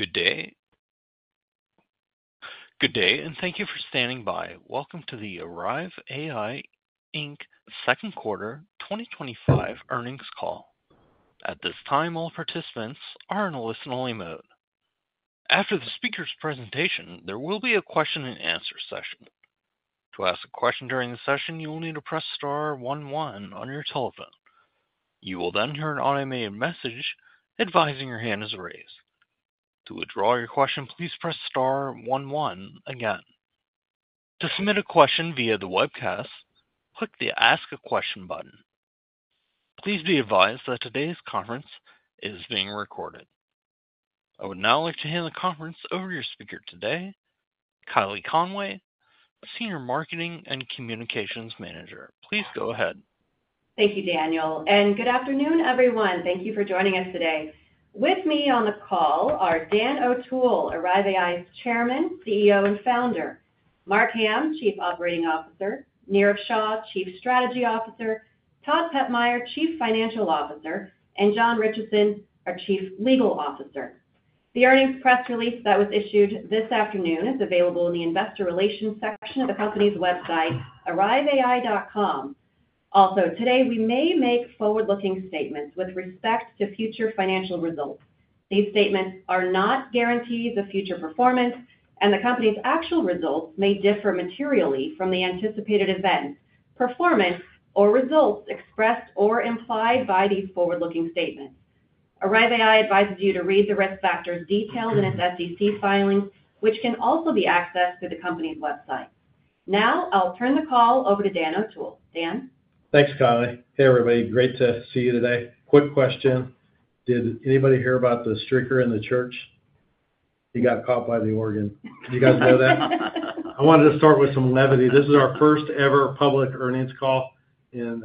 Good day, good day, and thank you for standing by. Welcome to the Arrive AI Inc. Second Quarter 2025 Earnings Call. At this time, all participants are in a listen-only mode. After the speaker's presentation, there will be a question and answer session. To ask a question during the session, you will need to press star one one on your telephone. You will then hear an automated message advising your hand is raised. To withdraw your question, please press star one one again. To submit a question via the webcast, click the Ask a Question button. Please be advised that today's conference is being recorded. I would now like to hand the conference over to your speaker today, Kylie Conway, Senior Marketing and Communications Manager. Please go ahead. Thank you, Daniel, and good afternoon, everyone. Thank you for joining us today. With me on the call are Dan O'Toole, Arrive AI's Chairman, CEO, and Founder, Mark Hamm, Chief Operating Officer, Neerav Shah, Chief Strategy Officer, Todd Pepmeier, Chief Financial Officer, and John Ritchison, our Chief Legal Officer. The earnings press release that was issued this afternoon is available in the Investor Relations section of the company's website, arriveai.com. Also, today we may make forward-looking statements with respect to future financial results. These statements are not guaranteed future performance, and the company's actual results may differ materially from the anticipated events, performance, or results expressed or implied by these forward-looking statements. Arrive AI advises you to read the risk factors detailed in its SEC filing, which can also be accessed through the company's website. Now I'll turn the call over to Dan O'Toole. Dan. Thanks, Kylie. Hey, everybody. Great to see you today. Quick question. Did anybody hear about the streaker in the church? He got caught by the organ. Did you guys know that? I wanted to start with some levity. This is our first-ever public earnings call, and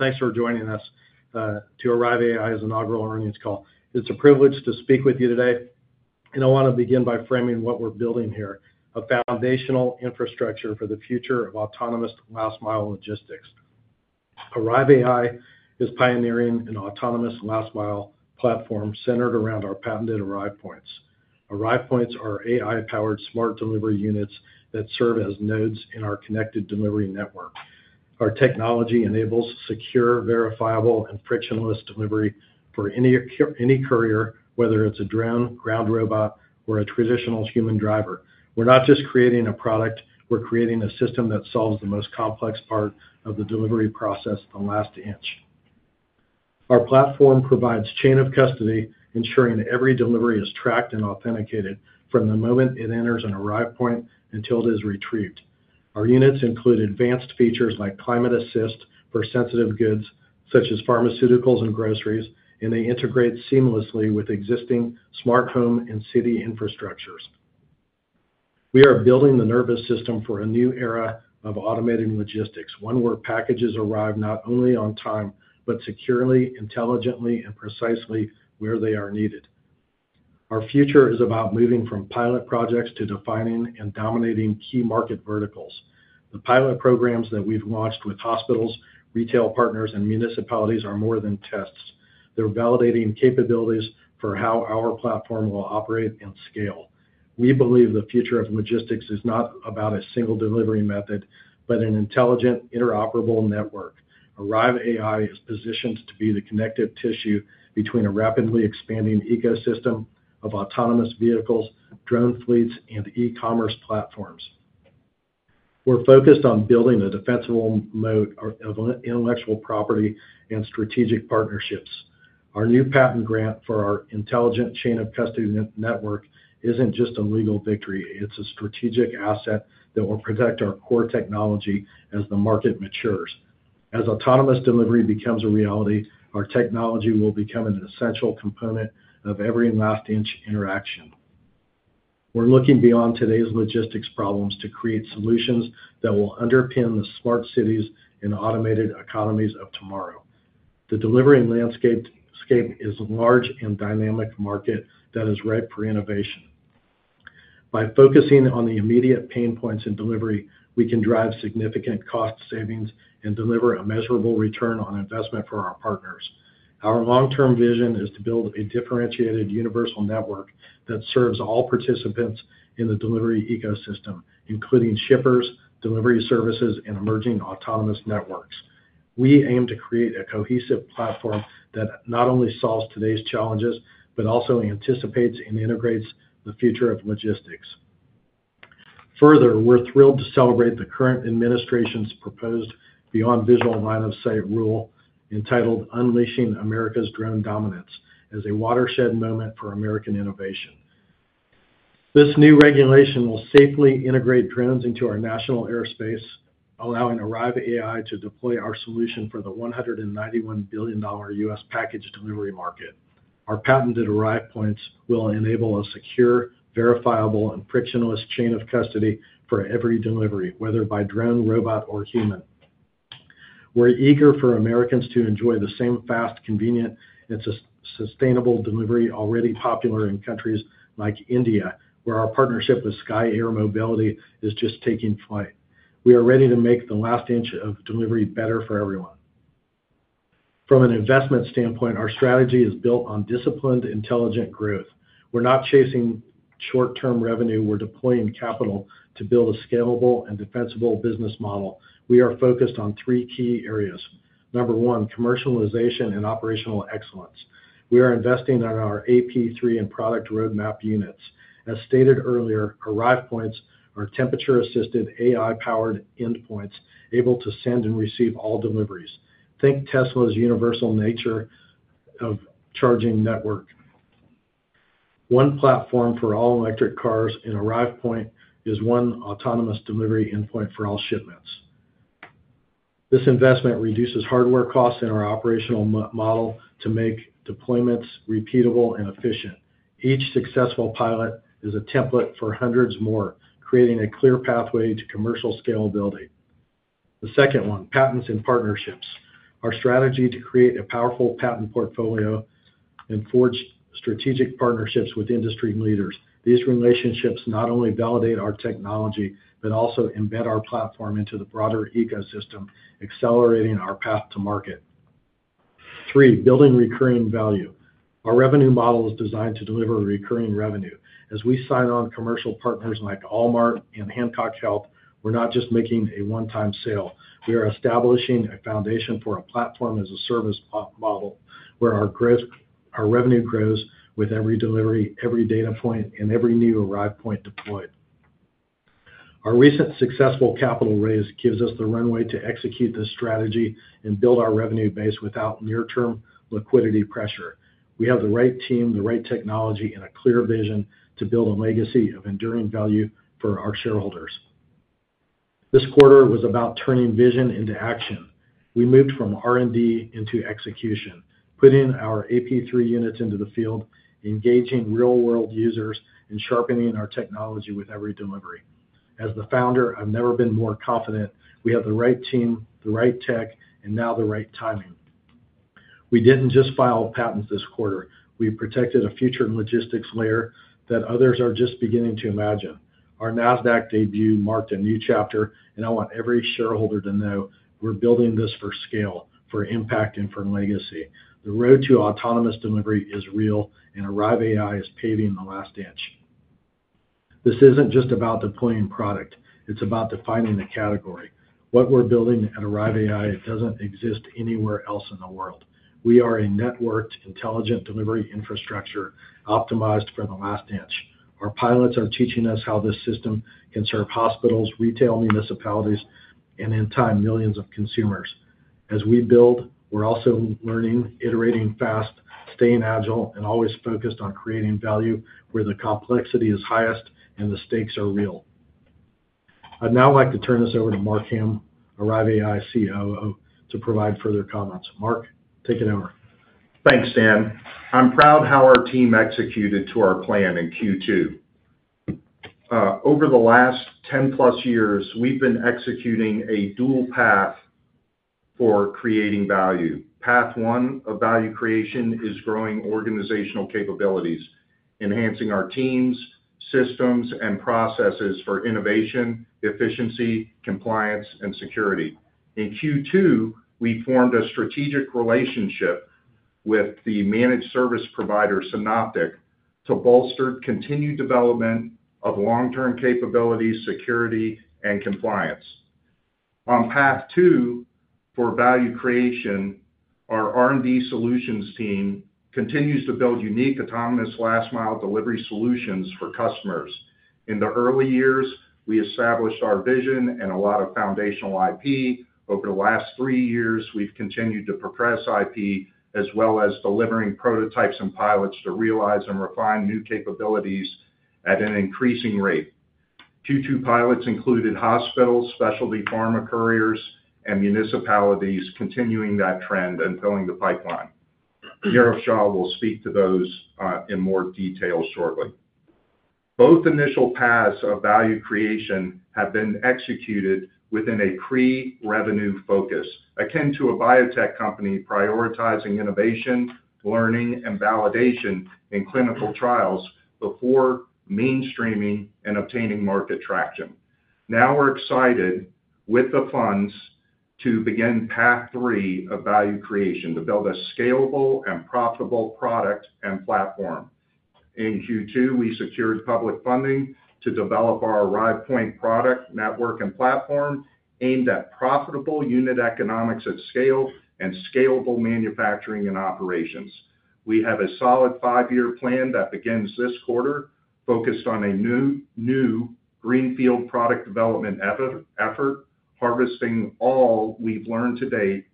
thanks for joining us to Arrive AI's inaugural earnings call. It's a privilege to speak with you today, and I want to begin by framing what we're building here: a foundational infrastructure for the future of autonomous last-mile logistics. Arrive AI is pioneering an autonomous last mile platform centered around our patented Arrive Points. Arrive Points are AI-powered smart delivery units that serve as nodes in our connected delivery network. Our technology enables secure, verifiable, and frictionless delivery for any courier, whether it's a drone, ground robot, or a traditional human driver. We're not just creating a product, we're creating a system that solves the most complex part of the delivery process from last to inch. Our platform provides chain of custody, ensuring every delivery is tracked and authenticated from the moment it enters an Arrive Point until it is retrieved. Our units include advanced features like climate assist for sensitive goods such as pharmaceuticals and groceries, and they integrate seamlessly with existing smart home and city infrastructures. We are building the nervous system for a new era of automating logistics, one where packages arrive not only on time but securely, intelligently, and precisely where they are needed. Our future is about moving from pilot projects to defining and dominating key market verticals. The pilot programs that we've launched with hospitals, retail partners, and municipalities are more than tests, they're validating capabilities for how our platform will operate and scale. We believe the future of logistics is not about a single delivery method but an intelligent, interoperable network. Arrive AI is positioned to be the connective tissue between a rapidly expanding ecosystem of autonomous vehicles, drone fleets, and e-commerce platforms. We're focused on building a defensible mode of intellectual property and strategic partnerships. Our new patent grant for our intelligent chain of custody network isn't just a legal victory, it's a strategic asset that will protect our core technology as the market matures. As autonomous delivery becomes a reality, our technology will become an essential component of every last-inch interaction. We're looking beyond today's logistics problems to create solutions that will underpin the smart cities and automated economies of tomorrow. The delivery landscape is a large and dynamic market that is ripe for innovation. By focusing on the immediate pain points in delivery, we can drive significant cost savings and deliver a measurable return on investment for our partners. Our long-term vision is to build a differentiated universal network that serves all participants in the delivery ecosystem, including shippers, delivery services, and emerging autonomous networks. We aim to create a cohesive platform that not only solves today's challenges but also anticipates and integrates the future of logistics. Further, we're thrilled to celebrate the current administration's proposed beyond visual line of sight rule entitled "Unleashing America's Drone Dominance" as a watershed moment for American innovation. This new regulation will safely integrate drones into our national airspace, allowing Arrive AI to deploy our solution for the $191 billion U.S. package delivery market. Our patented Arrive Points will enable a secure, verifiable, and frictionless chain of custody for every delivery, whether by drone, robot, or human. We're eager for Americans to enjoy the same fast, convenient, and sustainable delivery already popular in countries like India, where our partnership with Skye Air Mobility is just taking flight. We are ready to make the last inch of delivery better for everyone. From an investment standpoint, our strategy is built on disciplined, intelligent growth. We're not chasing short-term revenue, we're deploying capital to build a scalable and defensible business model. We are focused on three key areas. Number one, commercialization and operational excellence. We are investing in our AP3 and product roadmap units. As stated earlier, Arrive Points are temperature-assisted AI-powered endpoints able to send and receive all deliveries. Think Tesla's universal nature of charging network. One platform for all electric cars and Arrive Point is one autonomous delivery endpoint for all shipments. This investment reduces hardware costs in our operational model to make deployments repeatable and efficient. Each successful pilot is a template for hundreds more, creating a clear pathway to commercial scalability. The second one, patents and partnerships. Our strategy is to create a powerful patent portfolio and forge strategic partnerships with industry leaders. These relationships not only validate our technology but also embed our platform into the broader ecosystem, accelerating our path to market. Three, building recurring value. Our revenue model is designed to deliver recurring revenue. As we sign on commercial partners like Walmart and Hancock Health, we're not just making a one-time sale, we are establishing a foundation for a platform-as-a-service model where our revenue grows with every delivery, every data point, and every new Arrive Point deployed. Our recent successful capital raise gives us the runway to execute this strategy and build our revenue base without near-term liquidity pressure. We have the right team, the right technology, and a clear vision to build a legacy of enduring value for our shareholders. This quarter was about turning vision into action. We moved from R&D into execution, putting our AP3 units into the field, engaging real-world users, and sharpening our technology with every delivery. As the founder, I've never been more confident. We have the right team, the right tech, and now the right timing. We didn't just file patents this quarter, we protected a future logistics layer that others are just beginning to imagine. Our NASDAQ debut marked a new chapter, and I want every shareholder to know we're building this for scale, for impact, and for legacy. The road to autonomous delivery is real, and Arrive AI is paving the last inch. This isn't just about deploying product, it's about defining the category. What we're building at Arrive AI doesn't exist anywhere else in the world. We are a networked, intelligent delivery infrastructure optimized for the last inch. Our pilots are teaching us how this system can serve hospitals, retail municipalities, and in time, millions of consumers. As we build, we're also learning, iterating fast, staying agile, and always focused on creating value where the complexity is highest and the stakes are real. I'd now like to turn this over to Mark Hamm, Arrive AI COO, to provide further comments. Mark, take it over. Thanks, Dan. I'm proud of how our team executed to our plan in Q2. Over the last 10+ years, we've been executing a dual path for creating value. Path one of value creation is growing organizational capabilities, enhancing our teams, systems, and processes for innovation, efficiency, compliance, and security. In Q2, we formed a strategic relationship with the managed service provider Synoptic to bolster continued development of long-term capabilities, security, and compliance. On path two for value creation, our R&D solutions team continues to build unique autonomous last-mile delivery solutions for customers. In the early years, we established our vision and a lot of foundational IP. Over the last three years, we've continued to progress IP as well as delivering prototypes and pilots to realize and refine new capabilities at an increasing rate. Q2 pilots included hospitals, specialty pharma couriers, and municipalities, continuing that trend and filling the pipeline. Neerav Shah will speak to those in more detail shortly. Both initial paths of value creation have been executed within a pre-revenue focus, akin to a biotech company prioritizing innovation, learning, and validation in clinical trials before mainstreaming and obtaining market traction. Now we're excited with the funds to begin path three of value creation to build a scalable and profitable product and platform. In Q2, we secured public funding to develop our Arrive Points product network and platform aimed at profitable unit economics at scale and scalable manufacturing and operations. We have a solid five-year plan that begins this quarter, focused on a new greenfield product development effort, harvesting all we've learned today,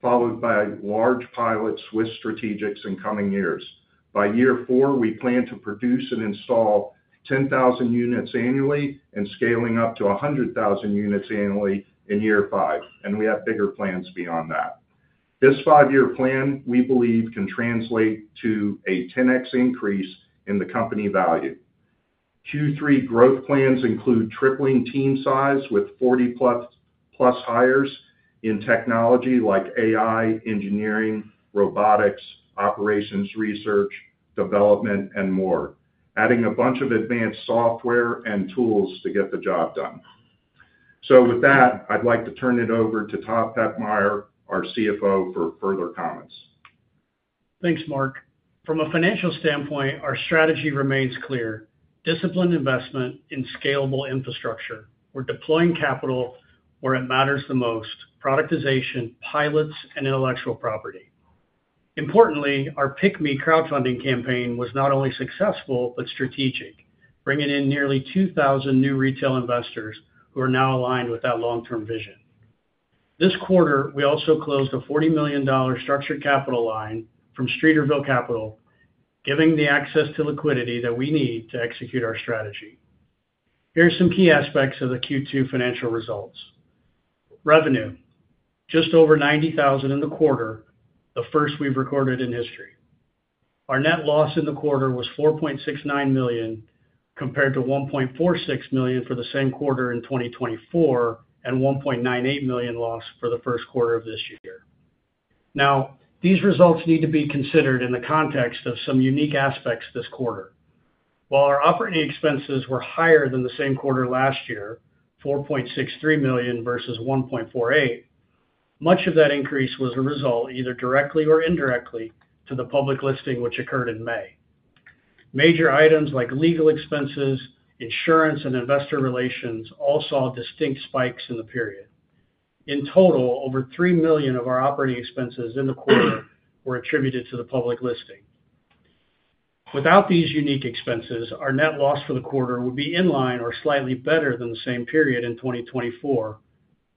followed by large pilots with strategics in coming years. By year four, we plan to produce and install 10,000 units annually and scaling up to 100,000 units annually in year five, and we have bigger plans beyond that. This five-year plan, we believe, can translate to a 10x increase in the company value. Q3 growth plans include tripling team size with 40+ hires in technology like AI, engineering, robotics, operations, research, development, and more, adding a bunch of advanced software and tools to get the job done. I'd like to turn it over to Todd Pepmeier, our CFO, for further comments. Thanks, Mark. From a financial standpoint, our strategy remains clear: disciplined investment in scalable infrastructure. We're deploying capital where it matters the most: productization, pilots, and intellectual property. Importantly, our PicMii crowdfunding campaign was not only successful but strategic, bringing in nearly 2,000 new retail investors who are now aligned with that long-term vision. This quarter, we also closed a $40 million structured capital line from Streeterville Capital, giving us the access to liquidity that we need to execute our strategy. Here are some key aspects of the Q2 financial results: revenue, just over $90,000 in the quarter, the first we've recorded in history. Our net loss in the quarter was $4.69 million, compared to $1.46 million for the same quarter in 2024, and $1.98 million loss for the first quarter of this year. Now, these results need to be considered in the context of some unique aspects this quarter. While our operating expenses were higher than the same quarter last year, $4.63 million versus $1.48 million, much of that increase was a result either directly or indirectly to the public listing, which occurred in May. Major items like legal expenses, insurance, and investor relations all saw distinct spikes in the period. In total, over $3 million of our operating expenses in the quarter were attributed to the public listing. Without these unique expenses, our net loss for the quarter would be in line or slightly better than the same period in 2024,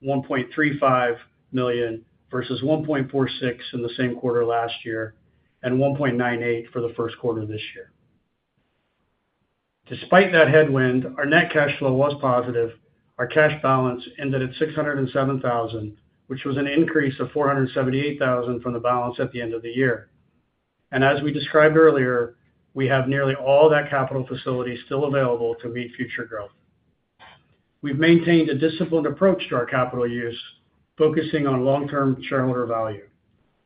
$1.35 million versus $1.46 million in the same quarter last year and $1.98 million for the first quarter this year. Despite that headwind, our net cash flow was positive. Our cash balance ended at $607,000, which was an increase of $478,000 from the balance at the end of the year. As we described earlier, we have nearly all that capital facility still available to meet future growth. We've maintained a disciplined approach to our capital use, focusing on long-term shareholder value.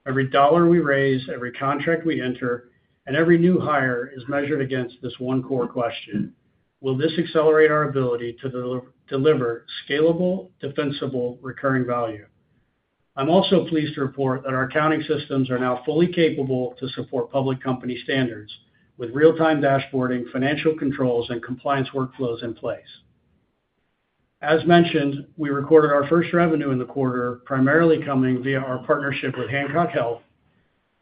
Every dollar we raise, every contract we enter, and every new hire is measured against this one core question: will this accelerate our ability to deliver scalable, defensible, recurring value? I'm also pleased to report that our accounting systems are now fully capable to support public company standards with real-time dashboarding, financial controls, and compliance workflows in place. As mentioned, we recorded our first revenue in the quarter, primarily coming via our partnership with Hancock Health,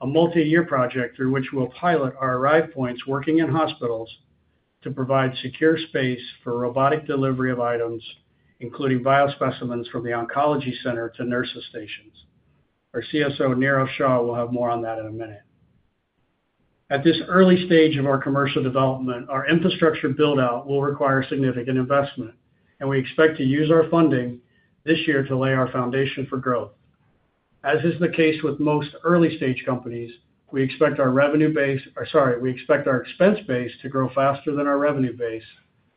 a multi-year project through which we'll pilot our Arrive Points working in hospitals to provide secure space for robotic delivery of items, including biospecimens from the oncology center to nurses' stations. Our CSO, Neerav Shah, will have more on that in a minute. At this early stage of our commercial development, our infrastructure build-out will require significant investment, and we expect to use our funding this year to lay our foundation for growth. As is the case with most early-stage companies, we expect our expense base to grow faster than our revenue base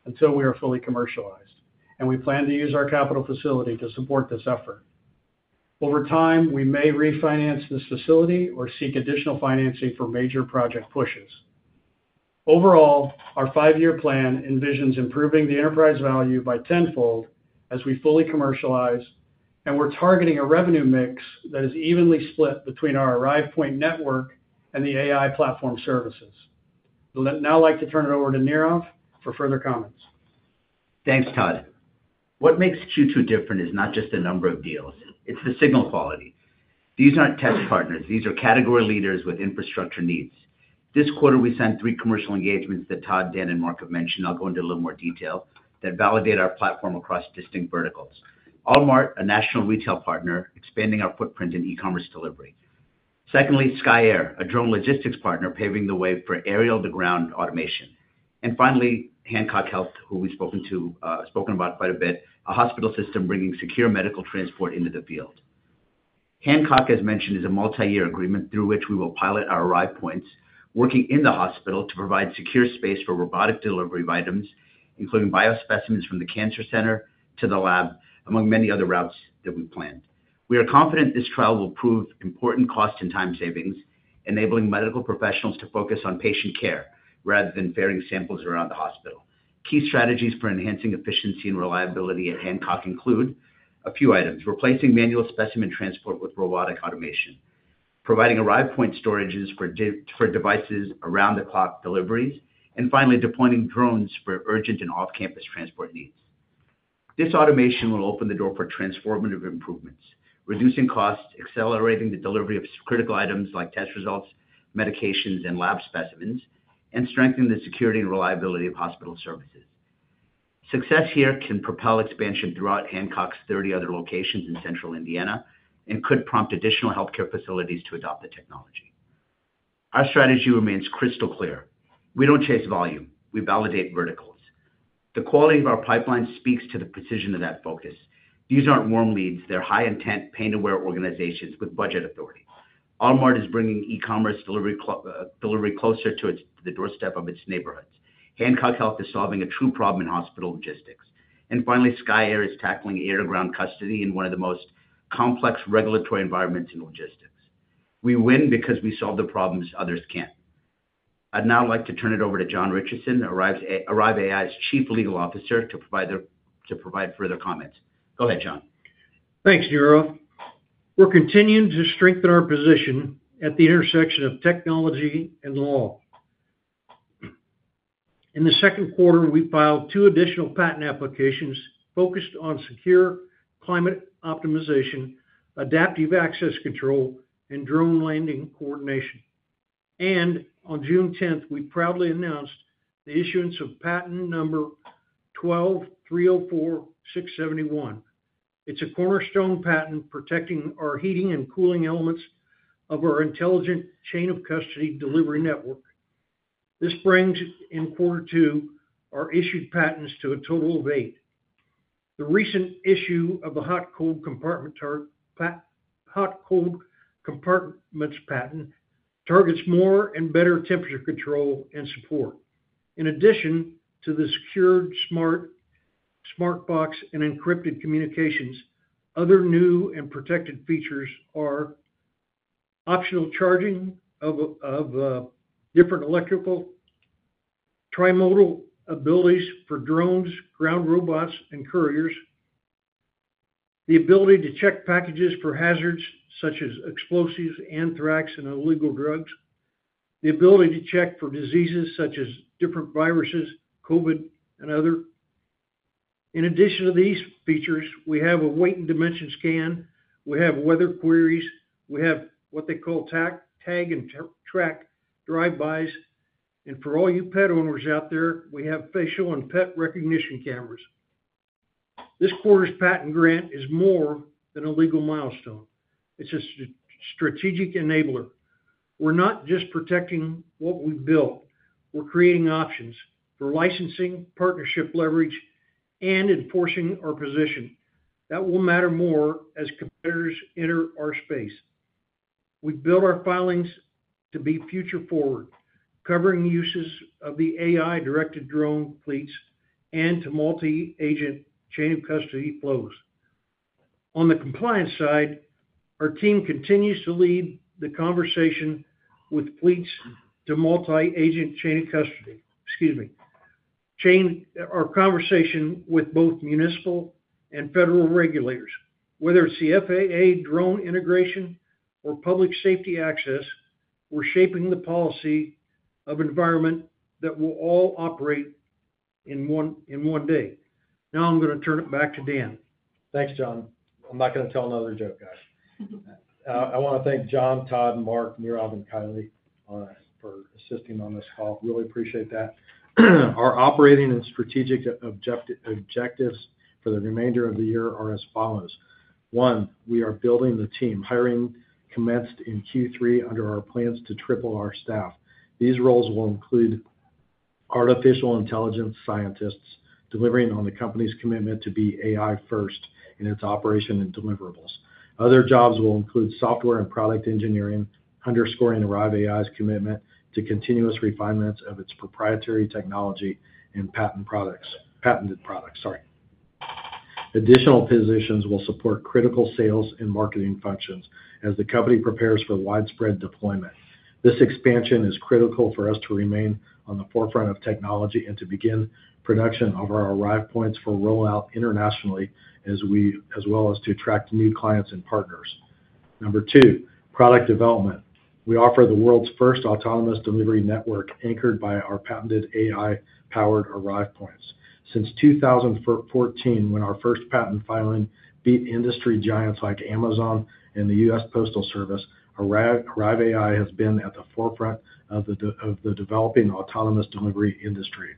until we are fully commercialized, and we plan to use our capital facility to support this effort. Over time, we may refinance this facility or seek additional financing for major project pushes. Overall, our five-year plan envisions improving the enterprise value by tenfold as we fully commercialize, and we're targeting a revenue mix that is evenly split between our Arrive Points network and the AI platform services. I'd now like to turn it over to Neerav for further comments. Thanks, Todd. What makes Q2 different is not just the number of deals, it's the signal quality. These aren't tech partners, these are category leaders with infrastructure needs. This quarter, we sent three commercial engagements that Todd, Dan, and Mark have mentioned. I'll go into a little more detail that validate our platform across distinct verticals: Walmart, a national retail partner expanding our footprint in e-commerce delivery. Secondly, Skye Air, a drone logistics partner paving the way for aerial-to-ground automation. Finally, Hancock Health, who we've spoken about quite a bit, a hospital system bringing secure medical transport into the field. Hancock, as mentioned, is a multi-year agreement through which we will pilot our Arrive Points working in the hospital to provide secure space for robotic delivery of items, including biospecimens from the cancer center to the lab, among many other routes that we've planned. We are confident this trial will prove important cost and time savings, enabling medical professionals to focus on patient care rather than ferrying samples around the hospital. Key strategies for enhancing efficiency and reliability at Hancock include a few items: replacing manual specimen transport with robotic automation, providing Arrive Points storages for devices around-the-clock deliveries, and finally, deploying drones for urgent and off-campus transport needs. This automation will open the door for transformative improvements, reducing costs, accelerating the delivery of critical items like test results, medications, and lab specimens, and strengthening the security and reliability of hospital services. Success here can propel expansion throughout Hancock's 30 other locations in central Indiana and could prompt additional healthcare facilities to adopt the technology. Our strategy remains crystal clear. We don't chase volume, we validate verticals. The quality of our pipeline speaks to the precision of that focus. These aren't warm leads, they're high-intent, paying-to-wear organizations with budget authority. Walmart is bringing e-commerce delivery closer to the doorstep of its neighborhoods. Hancock Health is solving a true problem in hospital logistics. Finally, Skye Air is tackling air-to-ground custody in one of the most complex regulatory environments in logistics. We win because we solve the problems others can't. I'd now like to turn it over to John Ritchison, Arrive AI's Chief Legal Officer, to provide further comments. Go ahead, John. Thanks, Neerav. We're continuing to strengthen our position at the intersection of technology and law. In the second quarter, we filed two additional patent applications focused on secure climate optimization, adaptive access control, and drone landing coordination. On June 10th, we proudly announced the issuance of patent number 12304671. It's a cornerstone patent protecting our heating and cooling elements of our intelligent chain of custody delivery network. This brings in quarter two our issued patents to a total of eight. The recent issue of the hot-cold compartments patent targets more and better temperature control and support. In addition to the secured smart box and encrypted communications, other new and protected features are optional charging of different electrical trimodal abilities for drones, ground robots, and couriers, the ability to check packages for hazards such as explosives, anthrax, and illegal drugs, the ability to check for diseases such as different viruses, COVID, and others. In addition to these features, we have a weight and dimension scan. We have weather queries. We have what they call tag and track drive-bys. For all you pet owners out there, we have facial and pet recognition cameras. This quarter's patent grant is more than a legal milestone. It's a strategic enabler. We're not just protecting what we build. We're creating options for licensing, partnership leverage, and enforcing our position. That will matter more as competitors enter our space. We build our filings to be future-forward, covering the uses of the AI-directed drone fleets and to multi-agent chain of custody flows. On the compliance side, our team continues to lead the conversation with both municipal and federal regulators. Whether it's the FAA drone integration or public safety access, we're shaping the policy of an environment that we will all operate in one day. Now I'm going to turn it back to Dan. Thanks, John. I'm not going to tell another joke, guys. I want to thank John, Todd, Mark, Neerav, and Kylie on us for assisting on this call. Really appreciate that. Our operating and strategic objectives for the remainder of the year are as follows. One, we are building the team. Hiring commenced in Q3 under our plans to triple our staff. These roles will include artificial intelligence scientists delivering on the company's commitment to be AI-first in its operation and deliverables. Other jobs will include software and product engineering, underscoring Arrive AI's commitment to continuous refinements of its proprietary technology and patented products. Additional positions will support critical sales and marketing functions as the company prepares for widespread deployment. This expansion is critical for us to remain on the forefront of technology and to begin production of our Arrive Points for rollout internationally, as well as to attract new clients and partners. Number two, product development. We offer the world's first autonomous delivery network anchored by our patented AI-powered Arrive Points. Since 2014, when our first patent filing beat industry giants like Amazon and the U.S. Postal Service, Arrive AI has been at the forefront of the developing autonomous delivery industry.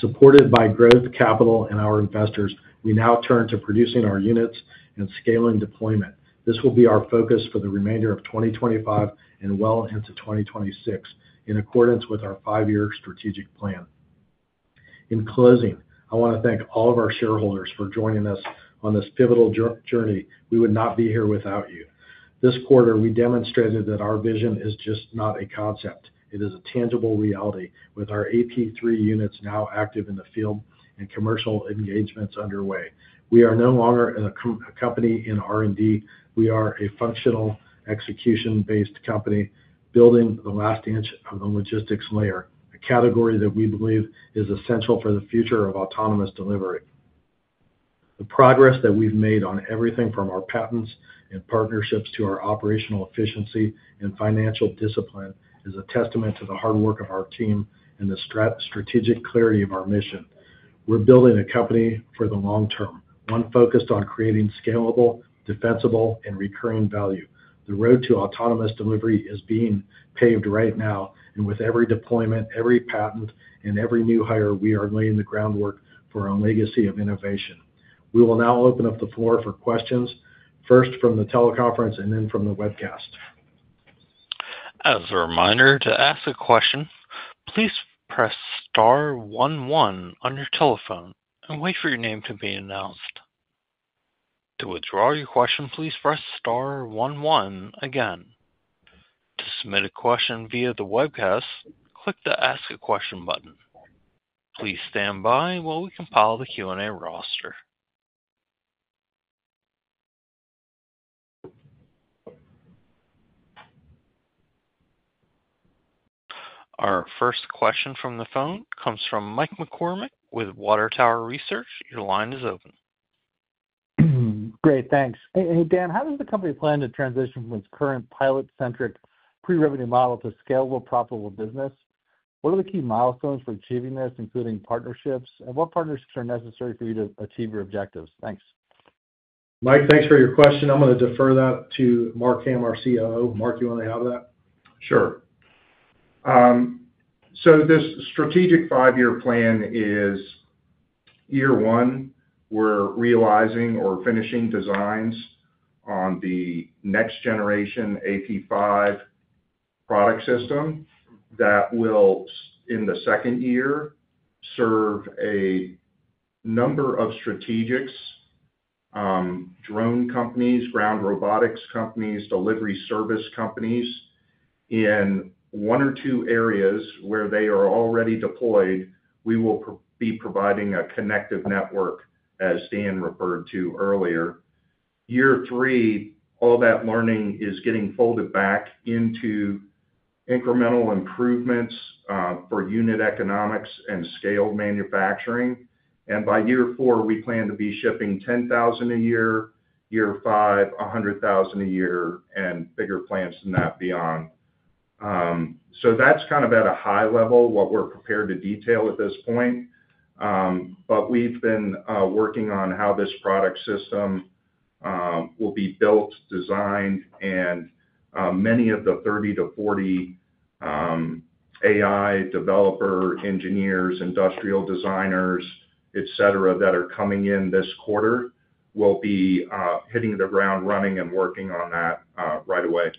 Supported by growth capital and our investors, we now turn to producing our units and scaling deployment. This will be our focus for the remainder of 2025 and well into 2026, in accordance with our five-year strategic plan. In closing, I want to thank all of our shareholders for joining us on this pivotal journey. We would not be here without you. This quarter, we demonstrated that our vision is just not a concept. It is a tangible reality with our AP3 units now active in the field and commercial engagements underway. We are no longer a company in R&D. We are a functional execution-based company building the last inch of the logistics layer, a category that we believe is essential for the future of autonomous delivery. The progress that we've made on everything from our patents and partnerships to our operational efficiency and financial discipline is a testament to the hard work of our team and the strategic clarity of our mission. We're building a company for the long term, one focused on creating scalable, defensible, and recurring value. The road to autonomous delivery is being paved right now, and with every deployment, every patent, and every new hire, we are laying the groundwork for our legacy of innovation. We will now open up the floor for questions, first from the teleconference and then from the webcast. As a reminder, to ask a question, please press star one one on your telephone and wait for your name to be announced. To withdraw your question, please press star one one again. To submit a question via the webcast, click the Ask a Question button. Please stand by while we compile the Q&A roster. Our first question from the phone comes from Mike McCormack with Water Tower Research. Your line is open. Great, thanks. Hey, Dan, how does the company plan to transition from its current pilot-centric pre-revenue model to scalable, profitable business? What are the key milestones for achieving this, including partnerships, and what partnerships are necessary for you to achieve your objectives? Thanks. Mike, thanks for your question. I'm going to defer that to Mark Hamm, our Chief Operating Officer. Mark, do you want to have that? Sure. This strategic five-year plan is year one, we're realizing or finishing designs on the next generation AP5 product system that will, in the second year, serve a number of strategics, drone companies, ground robotics companies, delivery service companies in one or two areas where they are already deployed. We will be providing a connective network, as Dan referred to earlier. Year three, all that learning is getting folded back into incremental improvements for unit economics and scaled manufacturing. By year four, we plan to be shipping 10,000 a year, year five, 100,000 a year, and bigger plans than that beyond. That's kind of at a high level what we're prepared to detail at this point. We've been working on how this product system will be built, designed, and many of the 30-40 AI developers, engineers, industrial designers, etc., that are coming in this quarter will be hitting the ground running and working on that right away.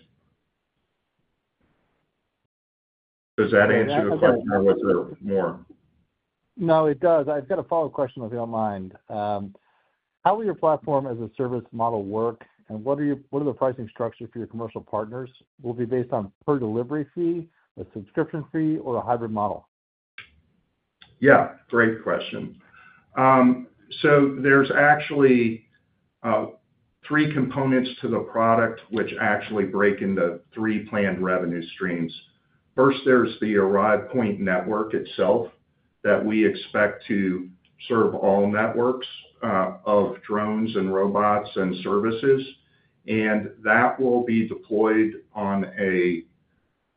Does that answer your question? I want to answer more. No, it does. I've got a follow-up question, if you don't mind. How will your platform-as-a-service model work, and what are your, what are the pricing structures for your commercial partners? Will it be based on per delivery fee, a subscription fee, or a hybrid model? Yeah, great question. There are actually three components to the product, which break into three planned revenue streams. First, there's the Arrive Points network itself that we expect to serve all networks of drones and robots and services. That will be deployed on a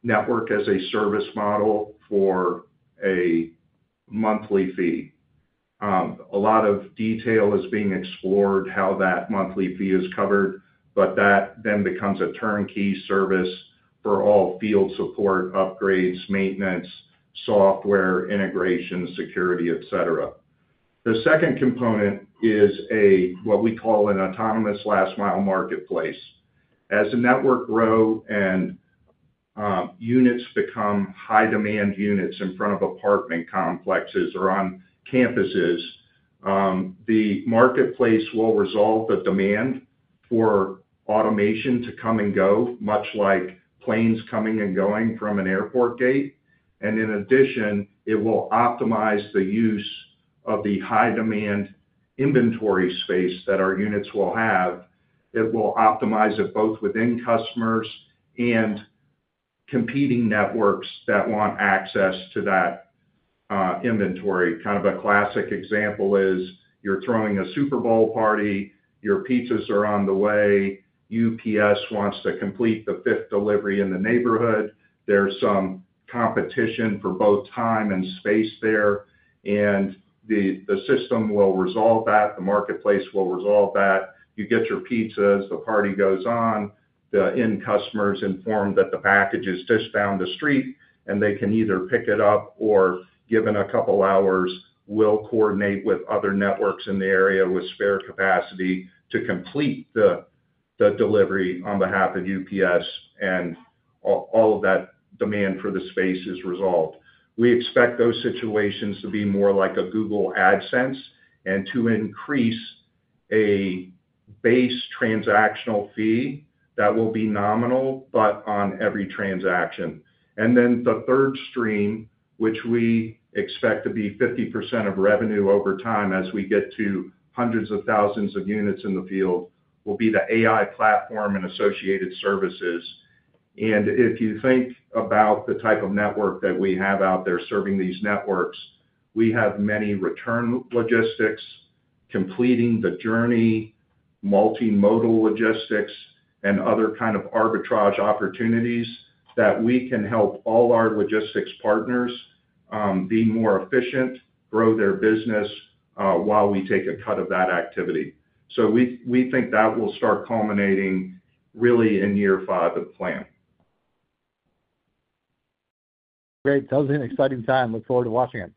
network-as-a-service model for a monthly fee. A lot of detail is being explored on how that monthly fee is covered, but that then becomes a turnkey service for all field support, upgrades, maintenance, software, integration, security, etc. The second component is what we call an autonomous last-mile marketplace. As a network grows and units become high-demand units in front of apartment complexes or on campuses, the marketplace will resolve the demand for automation to come and go, much like planes coming and going from an airport gate. In addition, it will optimize the use of the high-demand inventory space that our units will have. It will optimize it both within customers and competing networks that want access to that inventory. A classic example is you're throwing a Super Bowl party, your pizzas are on the way, UPS wants to complete the fifth delivery in the neighborhood. There's some competition for both time and space there, and the system will resolve that. The marketplace will resolve that. You get your pizzas, the party goes on, the end customer is informed that the package is just down the street, and they can either pick it up or, given a couple of hours, we'll coordinate with other networks in the area with spare capacity to complete the delivery on behalf of UPS, and all of that demand for the space is resolved. We expect those situations to be more like a Google AdSense and to increase a base transactional fee that will be nominal but on every transaction. The third stream, which we expect to be 50% of revenue over time as we get to hundreds of thousands of units in the field, will be the AI platform and associated services. If you think about the type of network that we have out there serving these networks, we have many return logistics, completing the journey, multimodal logistics, and other kinds of arbitrage opportunities that we can help all our logistics partners be more efficient, grow their business while we take a cut of that activity. We think that will start culminating really in year five of the plan. Great. That was an exciting time. Look forward to watching it.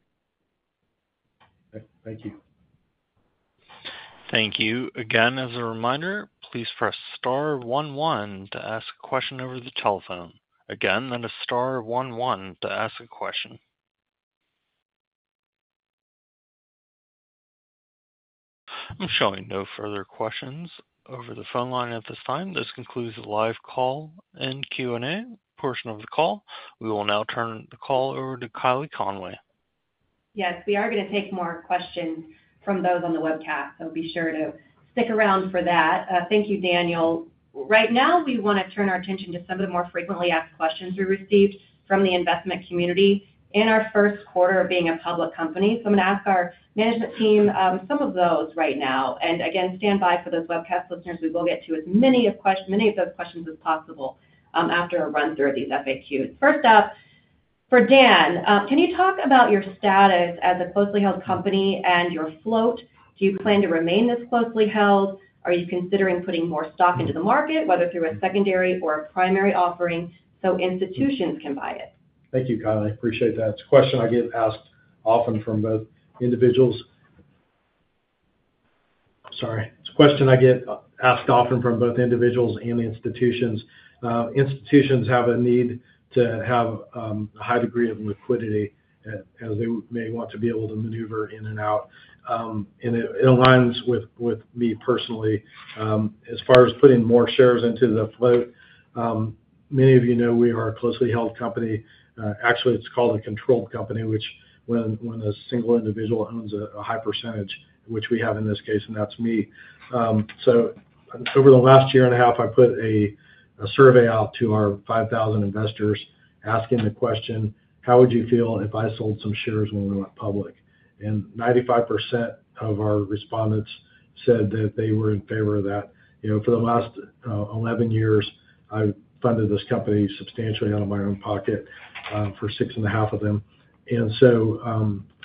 Thank you. Thank you. Again, as a reminder, please press star one one to ask a question over the telephone. Again, that is star one one to ask a question. I'm showing no further questions over the front line at this time. This concludes the live call and Q&A portion of the call. We will now turn the call over to Kylie Conway. Yes, we are going to take more questions from those on the webcast, so be sure to stick around for that. Thank you, Daniel. Right now, we want to turn our attention to some of the more frequently asked questions we received from the investment community in our first quarter of being a public company. I'm going to ask our management team some of those right now. Again, stand by for those webcast listeners. We will get to as many of those questions as possible after a run-through of these FAQs. First up, for Dan, can you talk about your status as a closely held company and your float? Do you plan to remain this closely held? Are you considering putting more stock into the market, whether through a secondary or a primary offering, so institutions can buy it? Thank you, Kylie. I appreciate that. It's a question I get asked often from both individuals and institutions. Institutions have a need to have a high degree of liquidity as they may want to be able to maneuver in and out. It aligns with me personally. As far as putting more shares into the float, many of you know we are a closely held company. Actually, it's called a controlled company, which is when a single individual owns a high percentage, which we have in this case, and that's me. Over the last year and a half, I put a survey out to our 5,000 investors asking the question, how would you feel if I sold some shares when we went public? 95% of our respondents said that they were in favor of that. For the last 11 years, I funded this company substantially out of my own pocket for six and a half of them.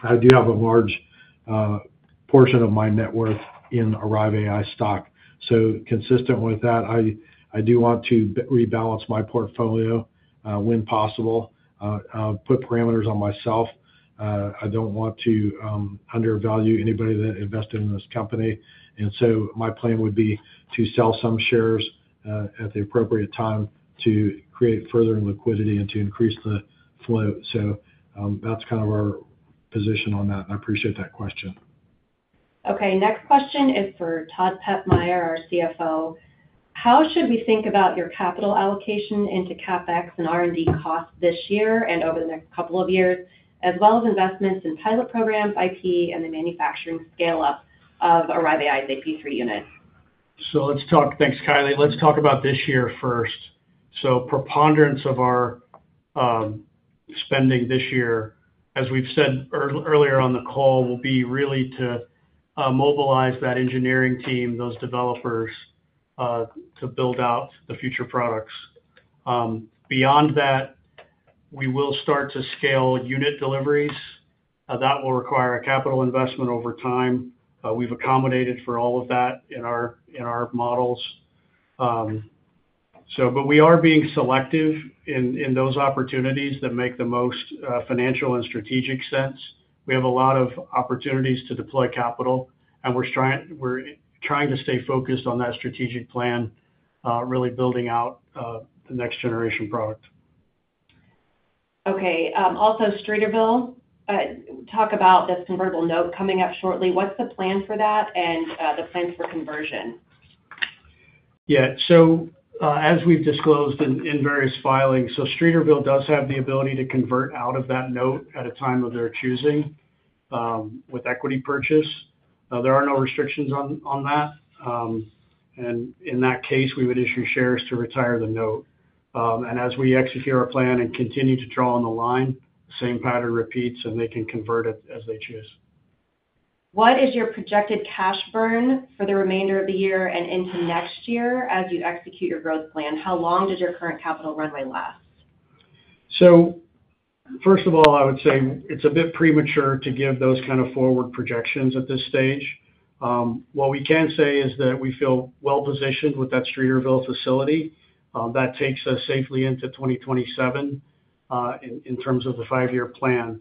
I do have a large portion of my net worth in Arrive AI stock. Consistent with that, I do want to rebalance my portfolio when possible, put parameters on myself. I don't want to undervalue anybody that invested in this company. My plan would be to sell some shares at the appropriate time to create further liquidity and to increase the float. That's kind of our position on that. I appreciate that question. Okay. Next question is for Todd Pepmeier, our CFO: How should we think about your capital allocation into CapEx and R&D costs this year and over the next couple of years, as well as investments in pilot programs, IP, and the manufacturing scale-up of Arrive AI's AP3 units? Thank you, Kylie. Let's talk about this year first. The preponderance of our spending this year, as we've said earlier on the call, will be really to mobilize that engineering team, those developers to build out the future products. Beyond that, we will start to scale unit deliveries. That will require a capital investment over time. We've accommodated for all of that in our models. We are being selective in those opportunities that make the most financial and strategic sense. We have a lot of opportunities to deploy capital, and we're trying to stay focused on that strategic plan, really building out the next-generation product. Okay. Also, Streeterville, talk about this convertible note coming up shortly. What's the plan for that and the plan for conversion? As we've disclosed in various filings, Streeterville does have the ability to convert out of that note at a time of their choosing with equity purchase. There are no restrictions on that. In that case, we would issue shares to retire the note. As we execute our plan and continue to draw on the line, the same pattern repeats so they can convert it as they choose. What is your projected cash burn for the remainder of the year and into next year as you execute your growth plan? How long does your current capital runway last? First of all, I would say it's a bit premature to give those kind of forward projections at this stage. What we can say is that we feel well-positioned with that Streeterville facility. That takes us safely into 2027 in terms of the five-year plan.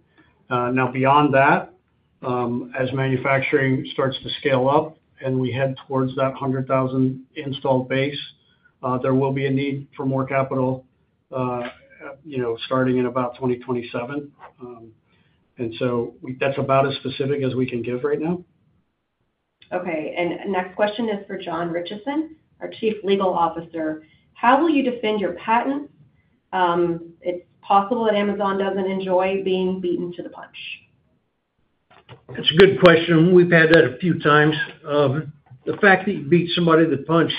Beyond that, as manufacturing starts to scale up and we head towards that 100,000 installed base, there will be a need for more capital, starting in about 2027. That's about as specific as we can give right now. Okay. Next question is for John Ritchison, our Chief Legal Officer: How will you defend your patent? It's possible that Amazon doesn't enjoy being beaten to the punch. That's a good question. We've had that a few times. The fact that you beat somebody to the punch,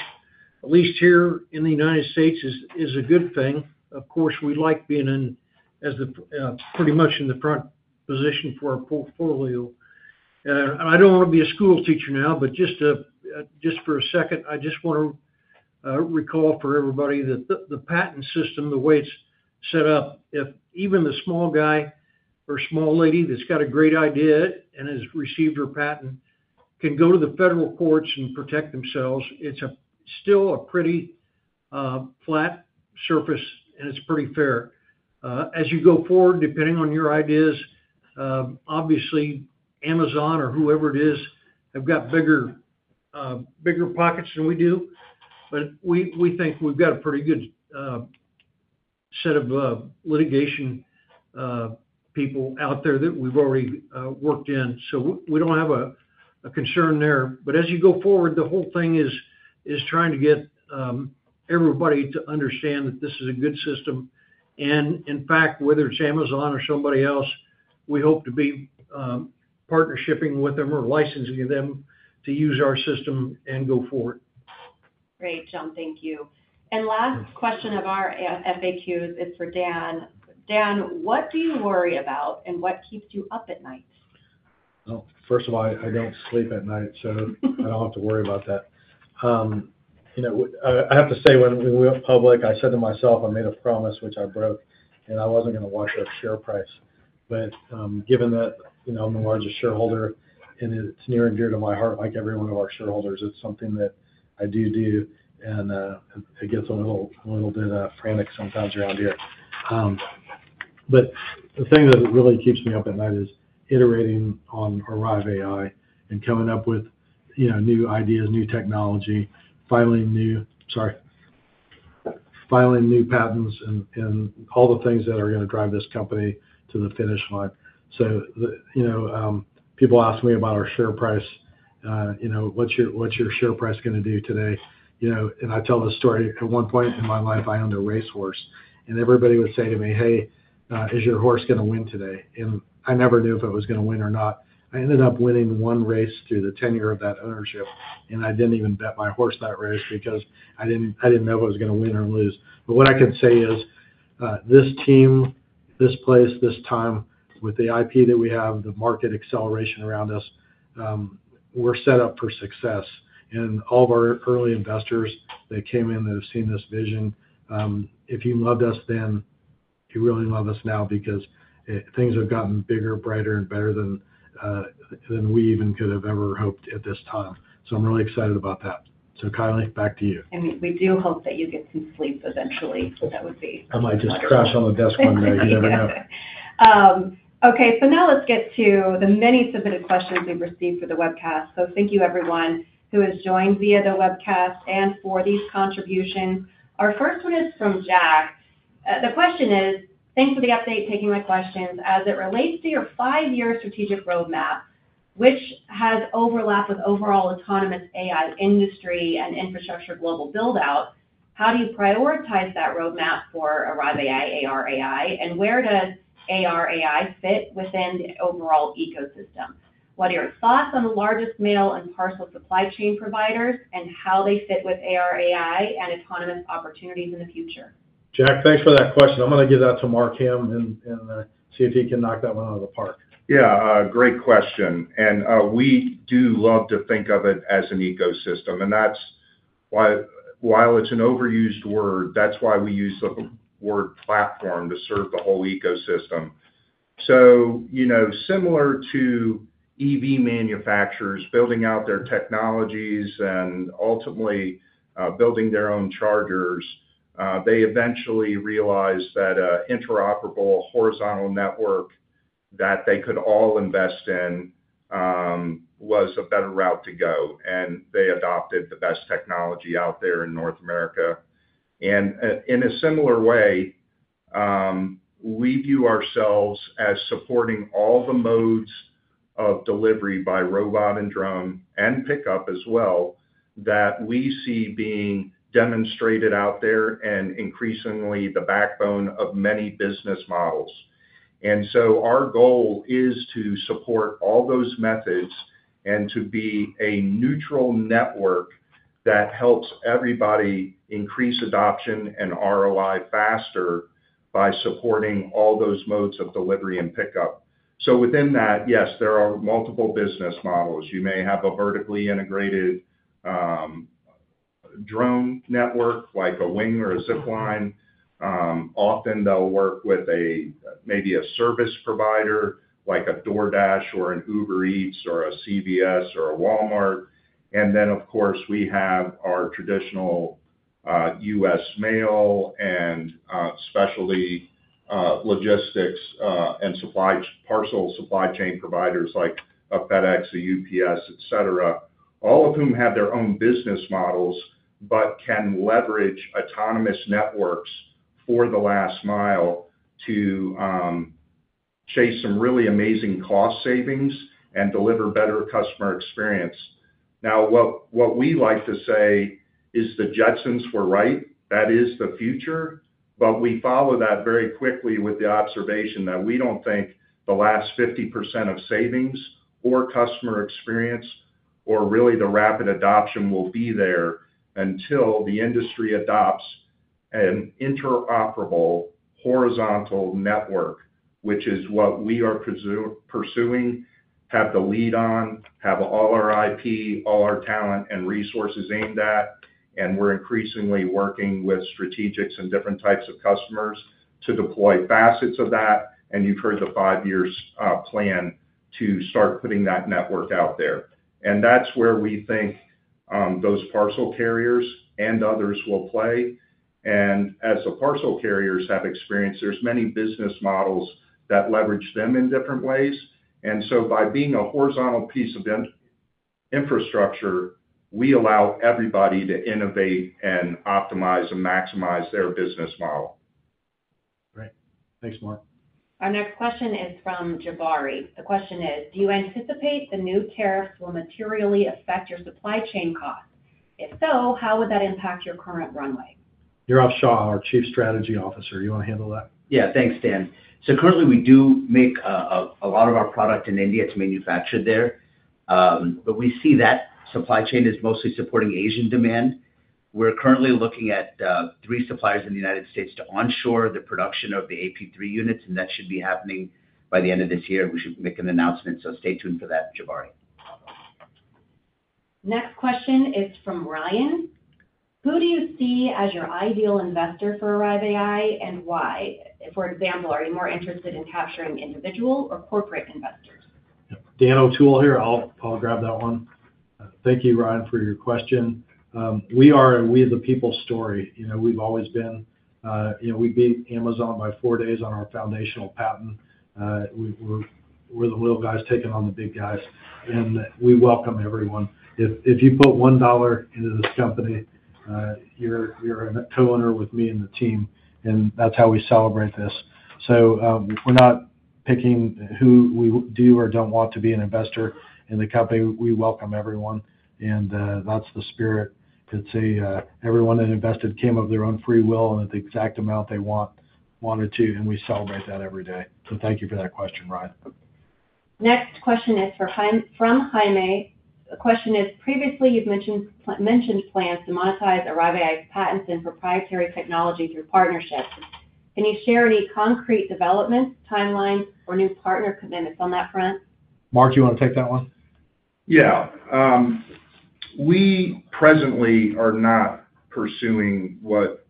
at least here in the U.S., is a good thing. Of course, we like being in as the pretty much in the front position for our portfolio. I don't want to be a school teacher now, but just for a second, I just want to recall for everybody that the patent system, the way it's set up, if even the small guy or small lady that's got a great idea and has received her patent can go to the federal courts and protect themselves, it's still a pretty flat surface, and it's pretty fair. As you go forward, depending on your ideas, obviously, Amazon or whoever it is, they've got bigger pockets than we do. We think we've got a pretty good set of litigation people out there that we've already worked in. We don't have a concern there. As you go forward, the whole thing is trying to get everybody to understand that this is a good system. In fact, whether it's Amazon or somebody else, we hope to be partnershipping with them or licensing them to use our system and go forward. Great, John. Thank you. The last question of our FAQs is for Dan. Dan, what do you worry about and what keeps you up at night? First of all, I don't sleep at night, so I don't have to worry about that. I have to say, when we went public, I said to myself, I made a promise, which I broke, and I wasn't going to watch that share price. Given that I'm the largest shareholder and it's near and dear to my heart, like every one of our shareholders, it's something that I do. It gets a little bit frantic sometimes around here. The thing that really keeps me up at night is iterating on Arrive AI and coming up with new ideas, new technology, filing new patents, and all the things that are going to drive this company to the finish line. People ask me about our share price. What's your share price going to do today? I tell this story. At one point in my life, I owned a race horse, and everybody would say to me, "Hey, is your horse going to win today?" I never knew if it was going to win or not. I ended up winning one race through the tenure of that ownership, and I didn't even bet my horse that race because I didn't know if I was going to win or lose. What I can say is this team, this place, this time, with the IP that we have, the market acceleration around us, we're set up for success. All of our early investors that came in that have seen this vision, if you loved us then, you really love us now because things have gotten bigger, brighter, and better than we even could have ever hoped at this time. I'm really excited about that. Kylie, back to you. We do hope that you get some sleep eventually. That would be. I might just crash on the desk one minute. You never know. Okay. Now let's get to the many submitted questions we've received for the webcast. Thank you, everyone who has joined via the webcast and for these contributions. Our first one is from Jack. The question is, "Thanks for the update and taking my questions. As it relates to your five-year strategic roadmap, which has overlapped with overall autonomous AI industry and infrastructure global build-out, how do you prioritize that roadmap for Arrive AI, and where does Arrive AI fit within the overall ecosystem? What are your thoughts on the largest mail and parcel supply chain providers and how they fit with Arrive AI and autonomous opportunities in the future? Jack, thanks for that question. I'm going to give that to Mark Hamm and see if he can knock that one out of the park. Yeah, great question. We do love to think of it as an ecosystem. That is why, while it's an overused word, we use the word platform to serve the whole ecosystem. Similar to EV manufacturers building out their technologies and ultimately building their own chargers, they eventually realized that an interoperable horizontal network that they could all invest in was a better route to go. They adopted the best technology out there in North America. In a similar way, we view ourselves as supporting all the modes of delivery by robot and drone and pickup as well that we see being demonstrated out there and increasingly the backbone of many business models. Our goal is to support all those methods and to be a neutral network that helps everybody increase adoption and ROI faster by supporting all those modes of delivery and pickup. Within that, yes, there are multiple business models. You may have a vertically integrated drone network like a Wing or a Zipline. Often, they'll work with maybe a service provider like a DoorDash or an Uber Eats or a CVS or a Walmart. Of course, we have our traditional U.S. mail and especially logistics and parcel supply chain providers like a FedEx, a UPS, etc., all of whom have their own business models but can leverage autonomous networks for the last mile to chase some really amazing cost savings and deliver better customer experience. What we like to say is the Jetsons were right. That is the future. We follow that very quickly with the observation that we don't think the last 50% of savings or customer experience or really the rapid adoption will be there until the industry adopts an interoperable horizontal network, which is what we are pursuing, have the lead on, have all our IP, all our talent, and resources aimed at. We're increasingly working with strategics and different types of customers to deploy facets of that. You've heard the five-year plan to start putting that network out there. That is where we think those parcel carriers and others will play. As the parcel carriers have experience, there are many business models that leverage them in different ways. By being a horizontal piece of infrastructure, we allow everybody to innovate and optimize and maximize their business model. Great. Thanks, Mark. Our next question is from Jabari. The question is, "Do you anticipate the new tariffs will materially affect your supply chain costs? If so, how would that impact your current runway? Neerav Shah, our Chief Strategy Officer, you want to handle that? Yeah, thanks, Dan. Currently, we do make a lot of our product in India. It's manufactured there, but we see that supply chain is mostly supporting Asian demand. We're currently looking at three suppliers in the U.S. to onshore the production of the AP3 units, and that should be happening by the end of this year. We should make an announcement. Stay tuned for that, Jabari. Next question is from Ryan. "Who do you see as your ideal investor for Arrive AI and why? For example, are you more interested in capturing individual or corporate investors? Dan O'Toole here. I'll grab that one. Thank you, Ryan, for your question. We are the people's story. We've always been, we beat Amazon by four days on our foundational patent. We're the little guys taking on the big guys. We welcome everyone. If you put $1 into this company, you're a co-owner with me and the team, and that's how we celebrate this. We're not picking who we do or don't want to be an investor in the company. We welcome everyone, and that's the spirit. Everyone that invested came of their own free will and at the exact amount they wanted to, and we celebrate that every day. Thank you for that question, Ryan. Next question is from Jaime. The question is, "Previously, you've mentioned plans to monetize Arrive AI's patents and proprietary technology through partnerships. Can you share any concrete developments, timelines, or new partner commitments on that front? Mark, you want to take that one? Yeah. We presently are not pursuing what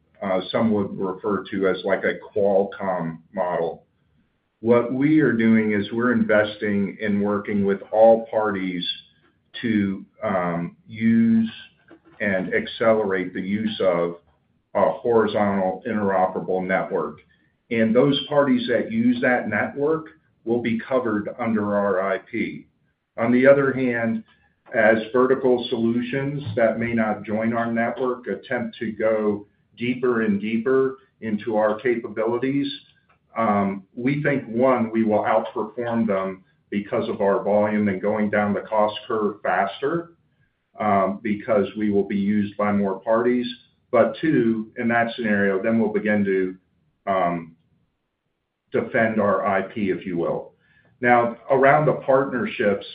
some would refer to as like a Qualcomm model. What we are doing is we're investing in working with all parties to use and accelerate the use of a horizontal interoperable network. Those parties that use that network will be covered under our IP. On the other hand, as vertical solutions that may not join our network attempt to go deeper and deeper into our capabilities, we think, one, we will outperform them because of our volume and going down the cost curve faster because we will be used by more parties. Two, in that scenario, then we'll begin to defend our IP, if you will. Now, around the partnerships,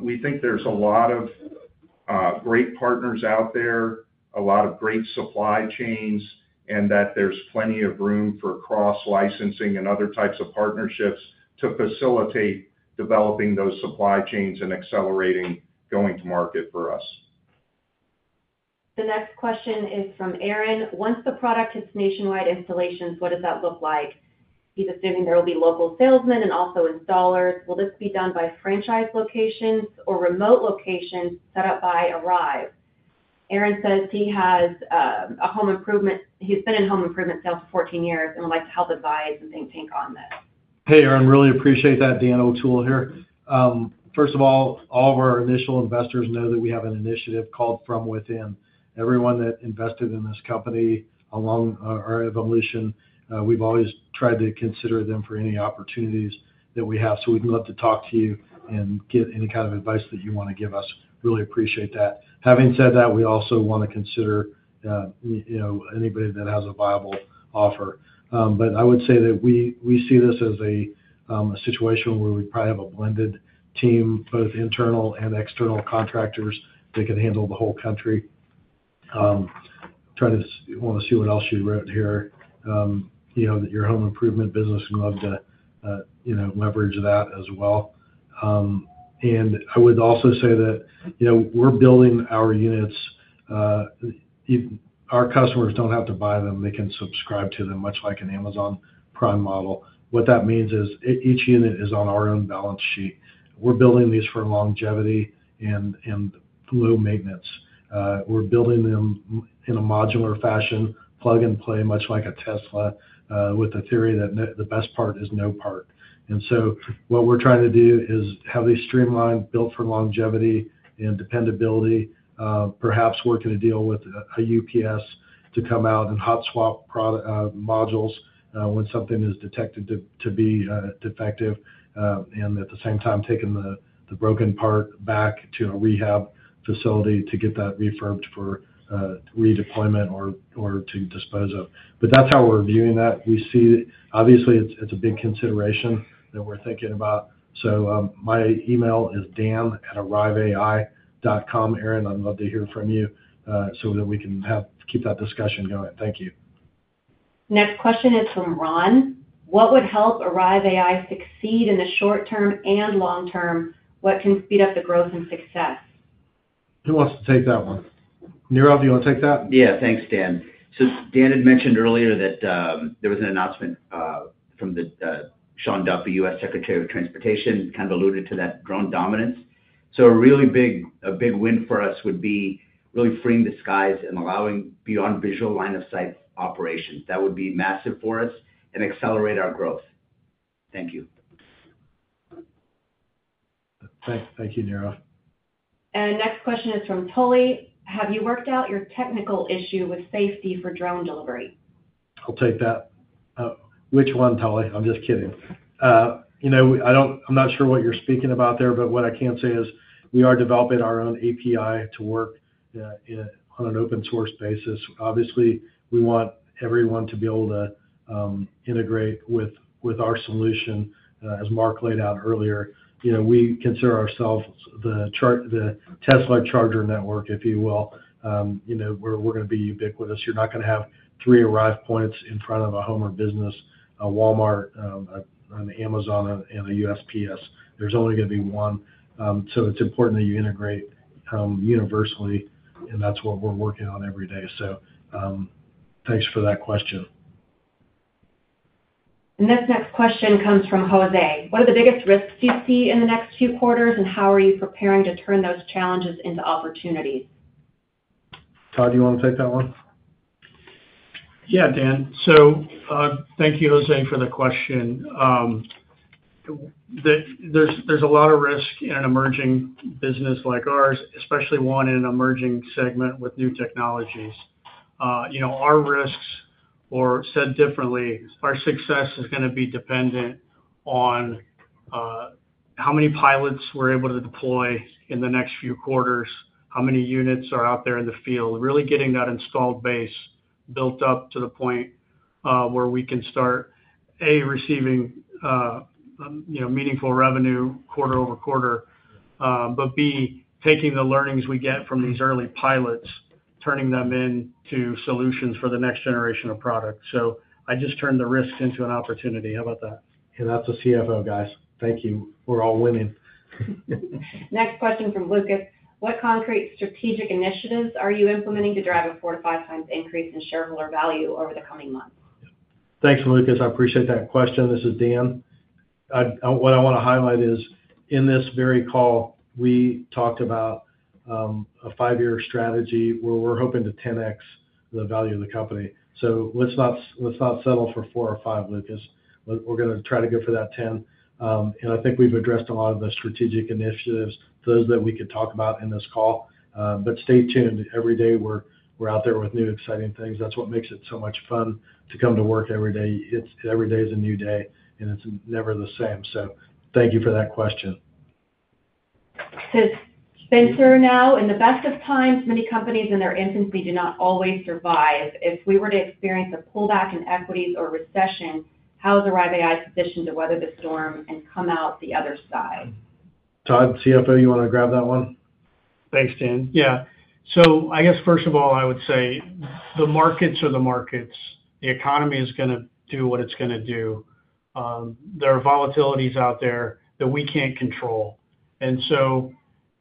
we think there's a lot of great partners out there, a lot of great supply chains, and that there's plenty of room for cross-licensing and other types of partnerships to facilitate developing those supply chains and accelerating going to market for us. The next question is from Aaron. "Once the product hits nationwide installations, what does that look like? He's assuming there will be local salesmen and also installers. Will this be done by franchise locations or remote locations set up by Arrive?" Aaron says he has a home improvement. He's been in home improvement sales for 14 years and would like to help advise and think on this. Hey, Aaron. Really appreciate that, Dan O'Toole here. First of all, all of our initial investors know that we have an initiative called From Within. Everyone that invested in this company along our evolution, we've always tried to consider them for any opportunities that we have. We'd love to talk to you and get any kind of advice that you want to give us. Really appreciate that. Having said that, we also want to consider anybody that has a viable offer. I would say that we see this as a situation where we probably have a blended team, both internal and external contractors that could handle the whole country. Trying to see what else you wrote here. You know that your home improvement business would love to, you know, leverage that as well. I would also say that, you know, we're building our units. Our customers don't have to buy them. They can subscribe to them, much like an Amazon Prime model. What that means is each unit is on our own balance sheet. We're building these for longevity and low maintenance. We're building them in a modular fashion, plug and play, much like a Tesla, with the theory that the best part is no part. What we're trying to do is have these streamlined, built for longevity and dependability, perhaps working to deal with a UPS to come out and hot swap modules when something is detected to be defective, and at the same time, taking the broken part back to a rehab facility to get that refurbed for redeployment or to dispose of. That's how we're viewing that. We see, obviously, it's a big consideration that we're thinking about. My email is dan@arriveai.com. Aaron, I'd love to hear from you so that we can keep that discussion going. Thank you. Next question is from Ron. "What would help Arrive AI succeed in the short term and long term? What can speed up the growth and success? Who wants to take that one? Neerav, you want to take that? Yeah, thanks, Dan. Dan had mentioned earlier that there was an announcement from Pete Buttigieg, the U.S. Secretary of Transportation, kind of alluded to that drone dominance. A really big win for us would be really freeing the skies and allowing beyond visual line of sight operations. That would be massive for us and accelerate our growth. Thank you. Thank you, Neerav. The next question is from Tully. "Have you worked out your technical issue with safety for drone delivery? I'll take that. Which one, Tully? I'm just kidding. I'm not sure what you're speaking about there, but what I can say is we are developing our own API to work on an open-source basis. Obviously, we want everyone to be able to integrate with our solution, as Mark laid out earlier. We consider ourselves the Tesla charger network, if you will. We're going to be ubiquitous. You're not going to have three Arrive Points in front of a home of business, a Walmart, an Amazon, and a USPS. There's only going to be one. It is important that you integrate universally, and that's what we're working on every day. Thanks for that question. This next question comes from Jose. "What are the biggest risks you see in the next few quarters, and how are you preparing to turn those challenges into opportunities? Todd, do you want to take that one? Yeah, Dan. Thank you, Jose, for the question. There's a lot of risk in an emerging business like ours, especially one in an emerging segment with new technologies. Our risks, or said differently, our success is going to be dependent on how many pilots we're able to deploy in the next few quarters, how many units are out there in the field, really getting that installed base built up to the point where we can start, A, receiving meaningful revenue quarter over quarter, but B, taking the learnings we get from these early pilots, turning them into solutions for the next generation of product. I just turned the risks into an opportunity. How about that? That's the CFO, guys. Thank you. We're all winning. Next question from Lucas. "What concrete strategic initiatives are you implementing to drive a 4x-5x increase in shareholder value over the coming month? Thanks, Lucas. I appreciate that question. This is Dan. What I want to highlight is in this very call, we talked about a five-year strategy where we're hoping to 10x the value of the company. Let's not settle for 4x or 5x, Lucas. We're going to try to go for that 10. I think we've addressed a lot of the strategic initiatives, those that we could talk about in this call. Stay tuned. Every day, we're out there with new, exciting things. That's what makes it so much fun to come to work every day. Every day is a new day, and it's never the same. Thank you for that question. In the best of times, many companies in their infancy do not always survive. If we were to experience a pullback in equities or recession, how is Arrive AI sufficient to weather the storm and come out the other side? Todd, CFO, you want to grab that one? Thanks, Dan. I guess, first of all, I would say the markets are the markets. The economy is going to do what it's going to do. There are volatilities out there that we can't control.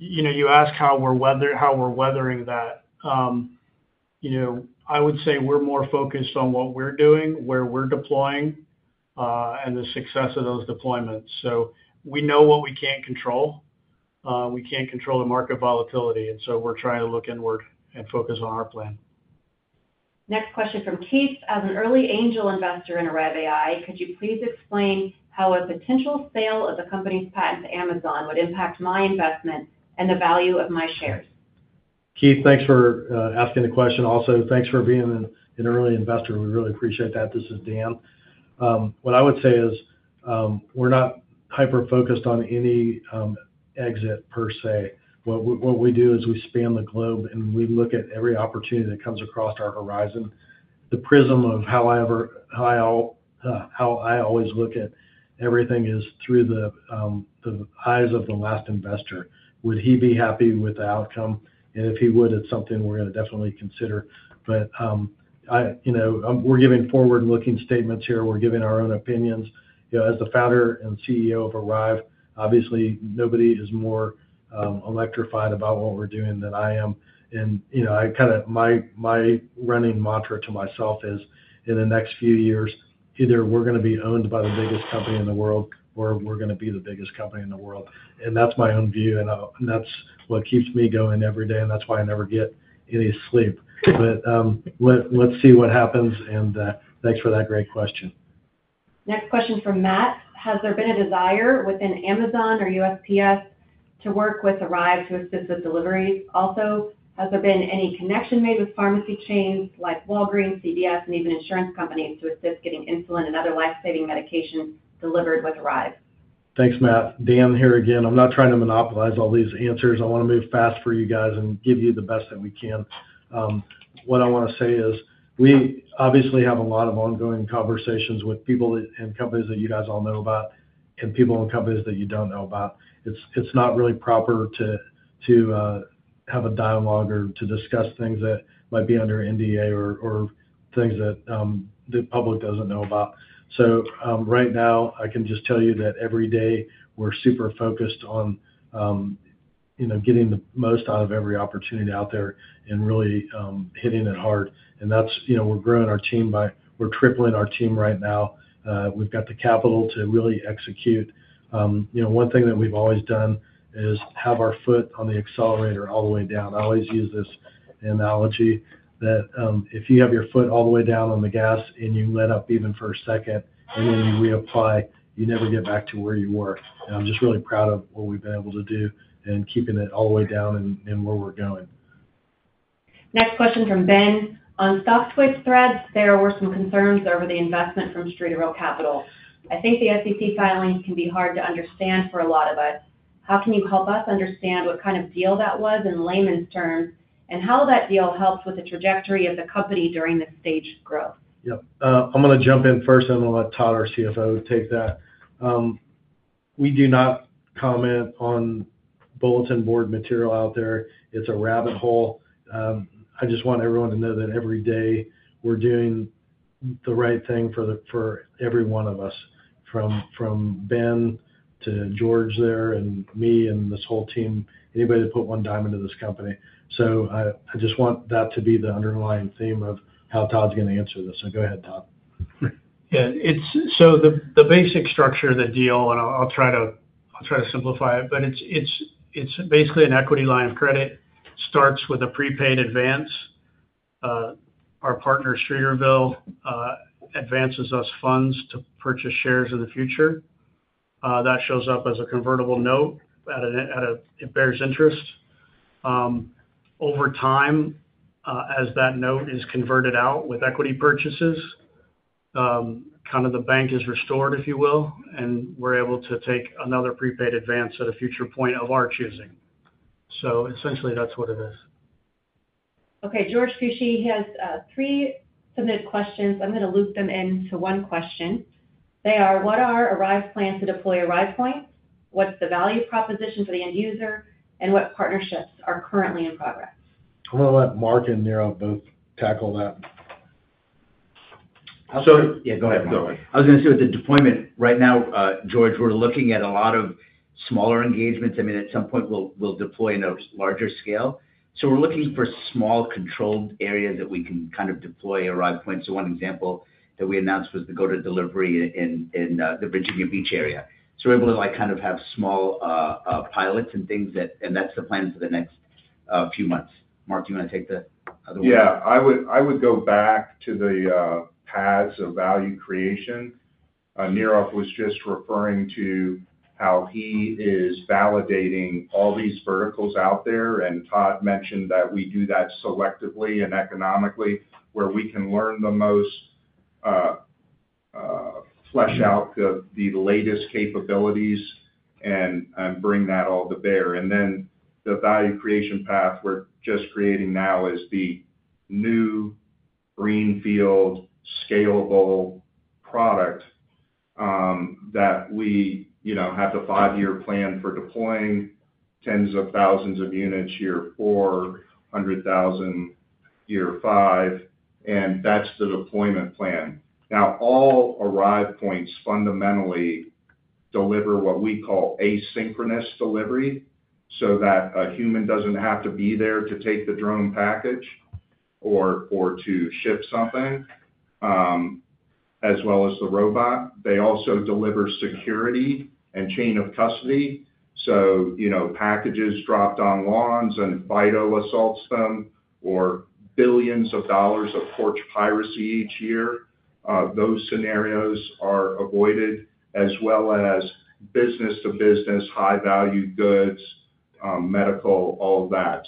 You ask how we're weathering that. I would say we're more focused on what we're doing, where we're deploying, and the success of those deployments. We know what we can't control. We can't control the market volatility. We're trying to look inward and focus on our plan. Next question from Keith. "As an early angel investor in Arrive AI, could you please explain how a potential sale of the company's patent to Amazon would impact my investment and the value of my shares? Keith, thanks for asking the question. Also, thanks for being an early investor. We really appreciate that. This is Dan. What I would say is we're not hyper-focused on any exit per se. What we do is we span the globe, and we look at every opportunity that comes across our horizon. The prism of how I always look at everything is through the eyes of the last investor. Would he be happy with the outcome? If he would, it's something we're going to definitely consider. We're giving forward-looking statements here. We're giving our own opinions. As the Founder and CEO of Arrive AI, obviously, nobody is more electrified about what we're doing than I am. My running mantra to myself is in the next few years, either we're going to be owned by the biggest company in the world or we're going to be the biggest company in the world. That's my own view. That's what keeps me going every day. That's why I never get any sleep. Let's see what happens. Thanks for that great question. Next question from Matt. "Has there been a desire within Amazon or USPS to work with Arrive to assist with deliveries? Also, has there been any connection made with pharmacy chains like Walgreens, CVS, and even insurance companies to assist getting insulin and other life-saving medications delivered with Arrive AI? Thanks, Matt. Dan here again. I'm not trying to monopolize all these answers. I want to move fast for you guys and give you the best that we can. What I want to say is we obviously have a lot of ongoing conversations with people and companies that you guys all know about and people and companies that you don't know about. It's not really proper to have a dialogue or to discuss things that might be under NDA or things that the public doesn't know about. Right now, I can just tell you that every day we're super focused on getting the most out of every opportunity out there and really hitting it hard. We're growing our team by, we're tripling our team right now. We've got the capital to really execute. One thing that we've always done is have our foot on the accelerator all the way down. I always use this analogy that if you have your foot all the way down on the gas and you let up even for a second and then you reapply, you never get back to where you were. I'm just really proud of what we've been able to do and keeping it all the way down and where we're going. Next question from Ben. "On stock switch threats, there were some concerns over the investment from Streeterville Capital. I think the SEC filings can be hard to understand for a lot of us. How can you help us understand what kind of deal that was in layman's terms and how that deal helps with the trajectory of the company during this stage of growth? Yes. I'm going to jump in first. I'm going to let Todd, our CFO, take that. We do not comment on bulletin board material out there. It's a rabbit hole. I just want everyone to know that every day we're doing the right thing for every one of us, from Ben to George there and me and this whole team, anybody that put one dime into this company. I just want that to be the underlying theme of how Todd's going to answer this. Go ahead, Todd. Yeah. The basic structure of the deal, and I'll try to simplify it, is basically an equity line of credit. It starts with a prepaid advance. Our partner, Streeterville, advances us funds to purchase shares of the future. That shows up as a convertible note. It bears interest. Over time, as that note is converted out with equity purchases, kind of the bank is restored, if you will, and we're able to take another prepaid advance at a future point of our choosing. Essentially, that's what it is. Okay. George Fusci has three submitted questions. I'm going to loop them into one question. They are, "What are Arrive AI's plans to deploy Arrive Points? What's the value proposition for the end user? What partnerships are currently in progress? I'm going to let Mark and Neerav both tackle that. Yeah, go ahead. Go ahead. I was going to say with the deployment right now, George, we're looking at a lot of smaller engagements. At some point, we'll deploy in a larger scale. We're looking for small controlled areas that we can kind of deploy Arrive Points. One example that we announced was the GO2 Delivery in the Virginia Beach area. We're able to have small pilots and things like that, and that's the plans for the next few months. Mark, do you want to take the other one? Yeah. I would go back to the paths of value creation. Neerav was just referring to how he is validating all these verticals out there, and Todd mentioned that we do that selectively and economically where we can learn the most, flesh out the latest capabilities, and bring that all to bear. The value creation path we're just creating now is the new greenfield scalable product that we, you know, had the five-year plan for deploying tens of thousands of units year four, 100,000 year five, and that's the deployment plan. Now, all Arrive Points fundamentally deliver what we call asynchronous delivery so that a human doesn't have to be there to take the drone package or to ship something, as well as the robot. They also deliver security and chain of custody. Packages dropped on lawns and vital assaults done, or billions of dollars of porch piracy each year. Those scenarios are avoided, as well as business-to-business, high-value goods, medical, all of that.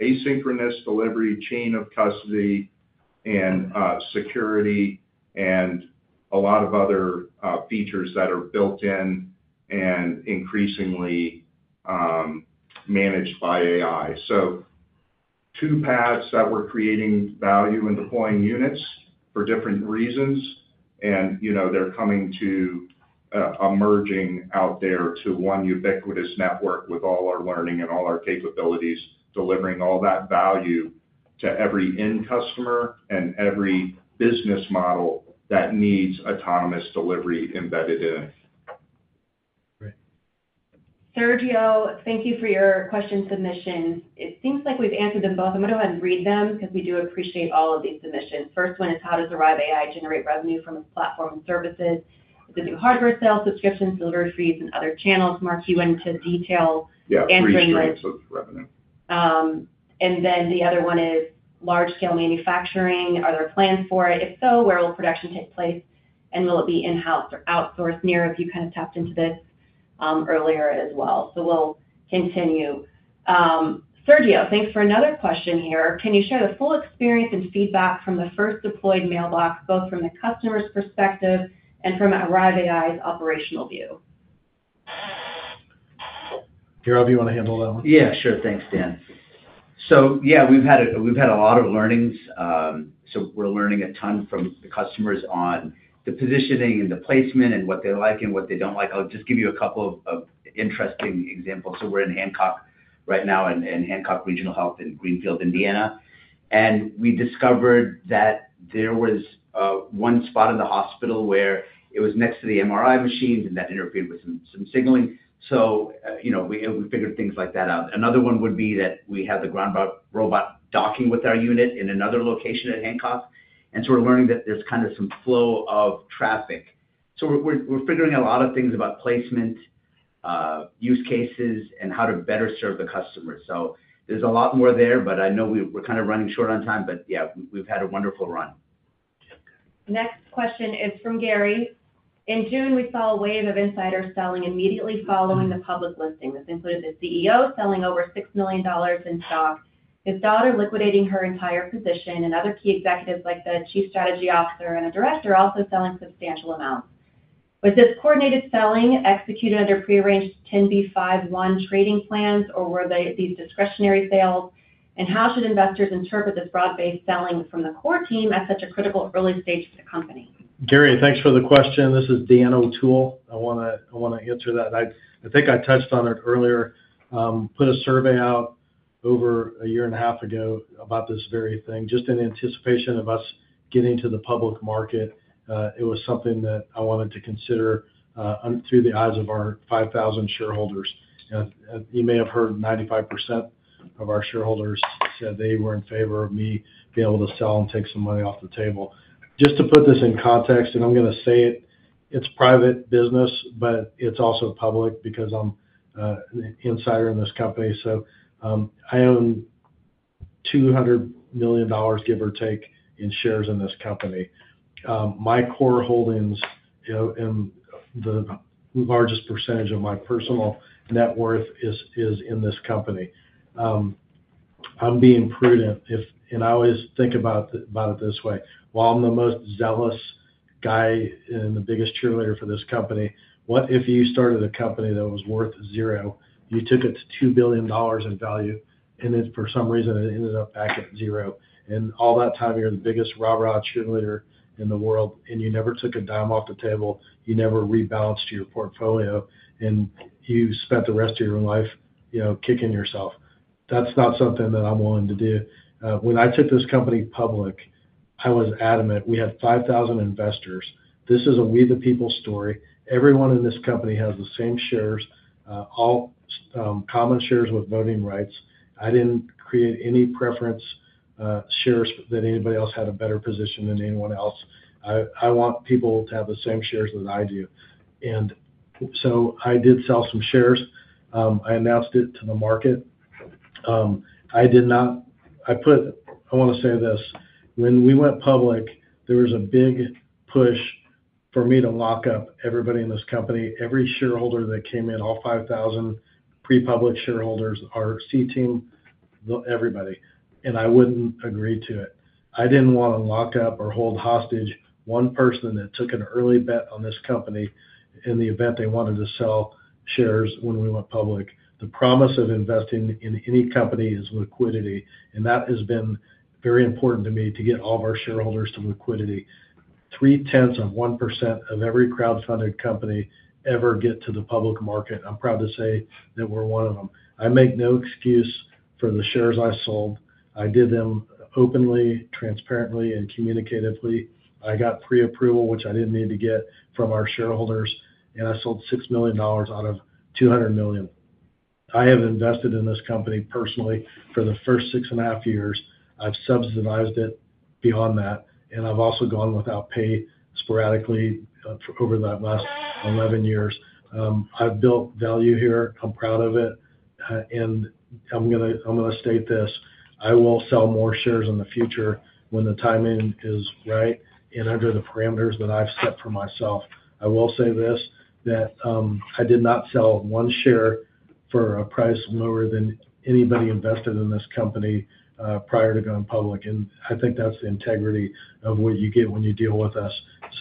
Asynchronous delivery, chain of custody, and security, and a lot of other features that are built in and increasingly managed by AI. Two paths that we're creating value and deploying units for different reasons, and they're coming to emerging out there to one ubiquitous network with all our learning and all our capabilities, delivering all that value to every end customer and every business model that needs autonomous delivery embedded in it. Thank you for your question submission. It seems like we've answered them both. I'm going to go ahead and read them because we do appreciate all of these submissions. First one is, "How does Arrive AI generate revenue from its platform and services? Do the new hardware sales, subscriptions, delivery fees, and other channels?" Mark, you went into detail answering this. Yeah, generating types of revenue. The other one is, "Large-scale manufacturing. Are there plans for it? If so, where will production take place? Will it be in-house or outsourced?" Neerav, you kind of tapped into this earlier as well. We'll continue. Sergio, thanks for another question here. "Can you share the full experience and feedback from the first deployed mailbox, both from the customer's perspective and from Arrive AI's operational view? Neerav, you want to handle that one? Yeah, sure. Thanks, Dan. We've had a lot of learnings. We're learning a ton from the customers on the positioning and the placement and what they like and what they don't like. I'll just give you a couple of interesting examples. We're in Hancock Health right now in Greenfield, Indiana, and we discovered that there was one spot in the hospital where it was next to the MRI machine and that interfered with some signaling. We figured things like that out. Another one would be that we have the ground robot docking with our unit in another location at Hancock, and we're learning that there's kind of some flow of traffic. We're figuring a lot of things about placement, use cases, and how to better serve the customers. There's a lot more there, but I know we're kind of running short on time. We've had a wonderful run. Next question is from Gary. "In June, we saw a wave of insiders selling immediately following the public listing. This included the CEO selling over $6 million in stock, his daughter liquidating her entire position, and other key executives like the Chief Strategy Officer and a Director also selling substantial amounts. Was this coordinated selling executed under prearranged 10b5-1 trading plans, or were these discretionary sales? How should investors interpret this broad-based selling from the core team at such a critical early stage to the company? Gary, thanks for the question. This is Dan O'Toole. I want to answer that. I think I touched on it earlier. I put a survey out over a year and a half ago about this very thing, just in anticipation of us getting to the public market. It was something that I wanted to consider through the eyes of our 5,000 shareholders. You may have heard 95% of our shareholders said they were in favor of me being able to sell and take some money off the table. Just to put this in context, and I'm going to say it, it's private business, but it's also public because I'm an insider in this company. I own $200 million, give or take, in shares in this company. My core holdings, you know, and the largest percentage of my personal net worth is in this company. I'm being prudent, and I always think about it this way. While I'm the most zealous guy and the biggest cheerleader for this company, what if you started a company that was worth zero, you took its $2 billion in value, and for some reason, it ended up back at zero. All that time, you're the biggest rah-rah cheerleader in the world, and you never took a dime off the table. You never rebalanced your portfolio, and you spent the rest of your life, you know, kicking yourself. That's not something that I'm willing to do. When I took this company public, I was adamant we had 5,000 investors. This is a we-the-people story. Everyone in this company has the same shares, all common shares with voting rights. I didn't create any preference shares that anybody else had a better position than anyone else. I want people to have the same shares that I do. I did sell some shares. I announced it to the market. I did not, I want to say this. When we went public, there was a big push for me to lock up everybody in this company. Every shareholder that came in, all 5,000 pre-public shareholders are. Everybody, and I wouldn't agree to it. I didn't want to lock up or hold hostage one person that took an early bet on this company in the event they wanted to sell shares when we went public. The promise of investing in any company is liquidity, and that has been very important to me to get all of our shareholders to liquidity. 0.3% of every crowdfunded company ever gets to the public market. I'm proud to say that we're one of them. I make no excuse for the shares I sold. I did them openly, transparently, and communicatively. I got pre-approval, which I didn't need to get from our shareholders, and I sold $6 million out of $200 million. I have invested in this company personally for the first six and a half years. I've subsidized it beyond that, and I've also gone without pay sporadically for over that last 11 years. I've built value here. I'm proud of it. I'm going to state this. I will sell more shares in the future when the timing is right and under the parameters that I've set for myself. I will say this, that I did not sell one share for a price more than anybody invested in this company prior to going public. I think that's the integrity of what you get when you deal with us.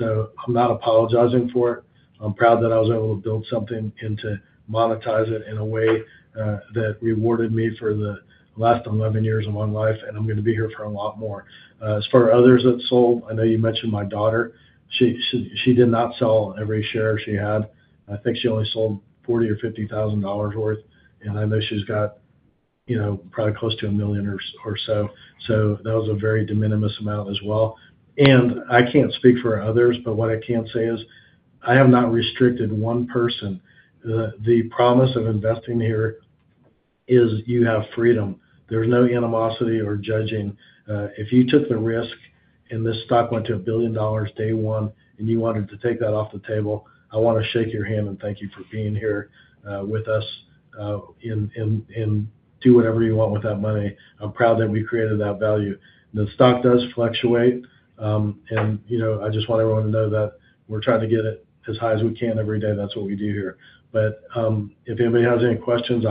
I'm not apologizing for it. I'm proud that I was able to build something and to monetize it in a way that rewarded me for the last 11 years of my life, and I'm going to be here for a lot more. As far as others that sold, I know you mentioned my daughter. She did not sell every share she had. I think she only sold $40,000 or $50,000 worth, and I know she's got, you know, probably close to a million or so. That was a very de minimis amount as well. I can't speak for others, but what I can say is I have not restricted one person. The promise of investing here is you have freedom. There's no animosity or judging. If you took the risk and this stock went to a billion dollars day one and you wanted to take that off the table, I want to shake your hand and thank you for being here with us, and do whatever you want with that money. I'm proud that we created that value. The stock does fluctuate, and you know, I just want everyone to know that we're trying to get it as high as we can every day. That's what we do here. If anybody has any questions,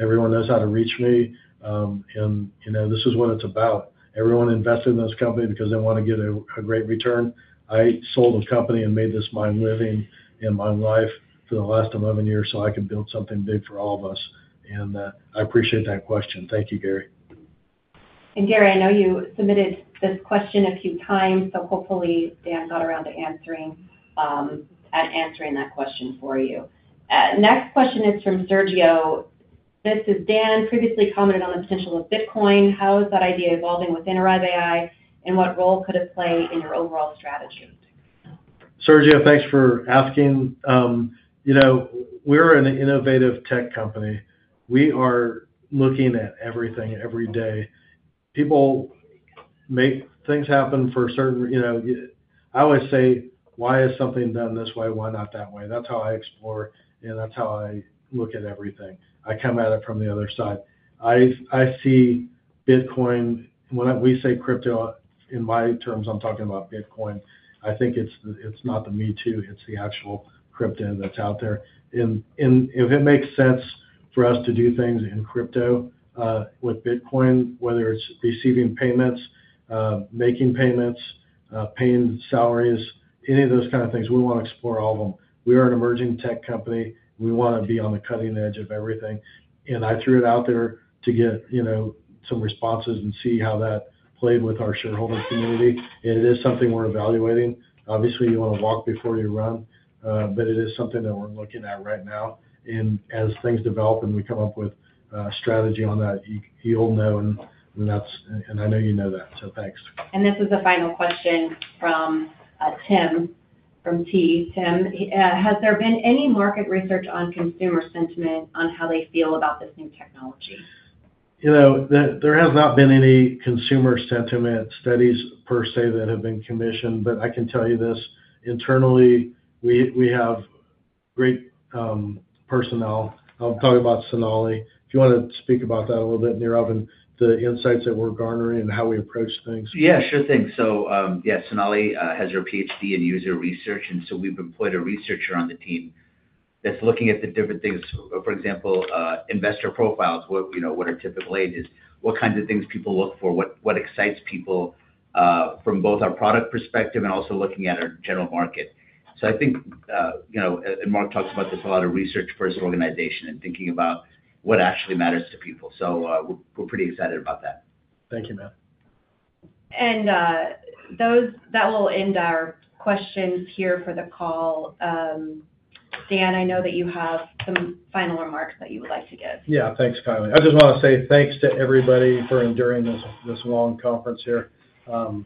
everyone knows how to reach me, and you know, this is what it's about. Everyone invested in this company because they want to get a great return. I sold a company and made this my living and my life for the last 11 years so I could build something big for all of us. I appreciate that question. Thank you, Gary. Gary, I know you submitted this question a few times, so hopefully Dan got around to answering that question for you. The next question is from Sergio. This is, Dan previously commented on the potential of Bitcoin. How is that idea evolving within Arrive AI, and what role could it play in your overall strategy? Sergio, thanks for asking. You know, we're an innovative tech company. We are looking at everything every day. People make things happen for certain. I always say, why is something done this way? Why not that way? That's how I explore, and that's how I look at everything. I come at it from the other side. I see Bitcoin. When we say crypto, in my terms, I'm talking about Bitcoin. I think it's not the me too, it's the actual crypto that's out there. If it makes sense for us to do things in crypto, with Bitcoin, whether it's receiving payments, making payments, paying salaries, any of those kinds of things, we want to explore all of them. We are an emerging tech company. We want to be on the cutting edge of everything. I threw it out there to get some responses and see how that played with our shareholder community. It is something we're evaluating. Obviously, you want to walk before you run. It is something that we're looking at right now. As things develop and we come up with a strategy on that, you'll know. I know you know that. So thanks. This is a final question from Tim from T. Tim, has there been any market research on consumer sentiment on how they feel about this new technology? There have not been any consumer sentiment studies per se that have been commissioned, but I can tell you this internally, we have great personnel. I'm talking about Sonali. If you want to speak about that a little bit, Neerav, and the insights that we're garnering and how we approach things. Yeah, sure thing. Sonali has her PhD in user research, and we've employed a researcher on the team that's looking at the different things. For example, investor profiles, what are typical ages, what kinds of things people look for, what excites people, from both our product perspective and also looking at our general market. I think, you know, and Mark talks about this, a lot of research-first organization and thinking about what actually matters to people. We're pretty excited about that. Thank you, man. That will end our questions here for the call. Dan, I know that you have some final remarks that you would like to give. Yeah, thanks, Kylie. I just want to say thanks to everybody for enduring this long conference here. I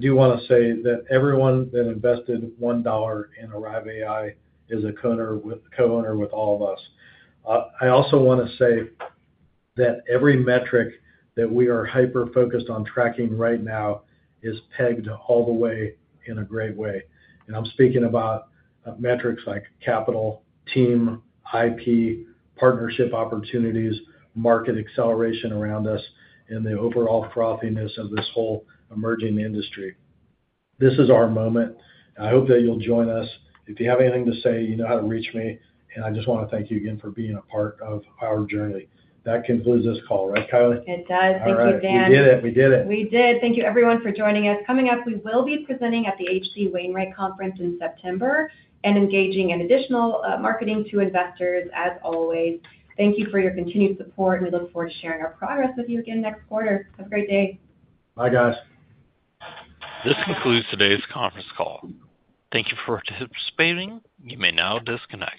do want to say that everyone that invested $1 in Arrive AI is a co-owner with all of us. I also want to say that every metric that we are hyper-focused on tracking right now is pegged all the way in a great way. I'm speaking about metrics like capital, team, IP, partnership opportunities, market acceleration around us, and the overall throbbingness of this whole emerging industry. This is our moment. I hope that you'll join us. If you have anything to say, you know how to reach me. I just want to thank you again for being a part of our journey. That concludes this call, right, Kylie? It does. Thank you, Dan. We did it. We did it. We did. Thank you, everyone, for joining us. Coming up, we will be presenting at the H.C. Wainwright Conference in September and engaging in additional marketing to investors, as always. Thank you for your continued support, and we look forward to sharing our progress with you again next quarter. Have a great day. Bye, guys. This concludes today's conference call. Thank you for participating. You may now disconnect.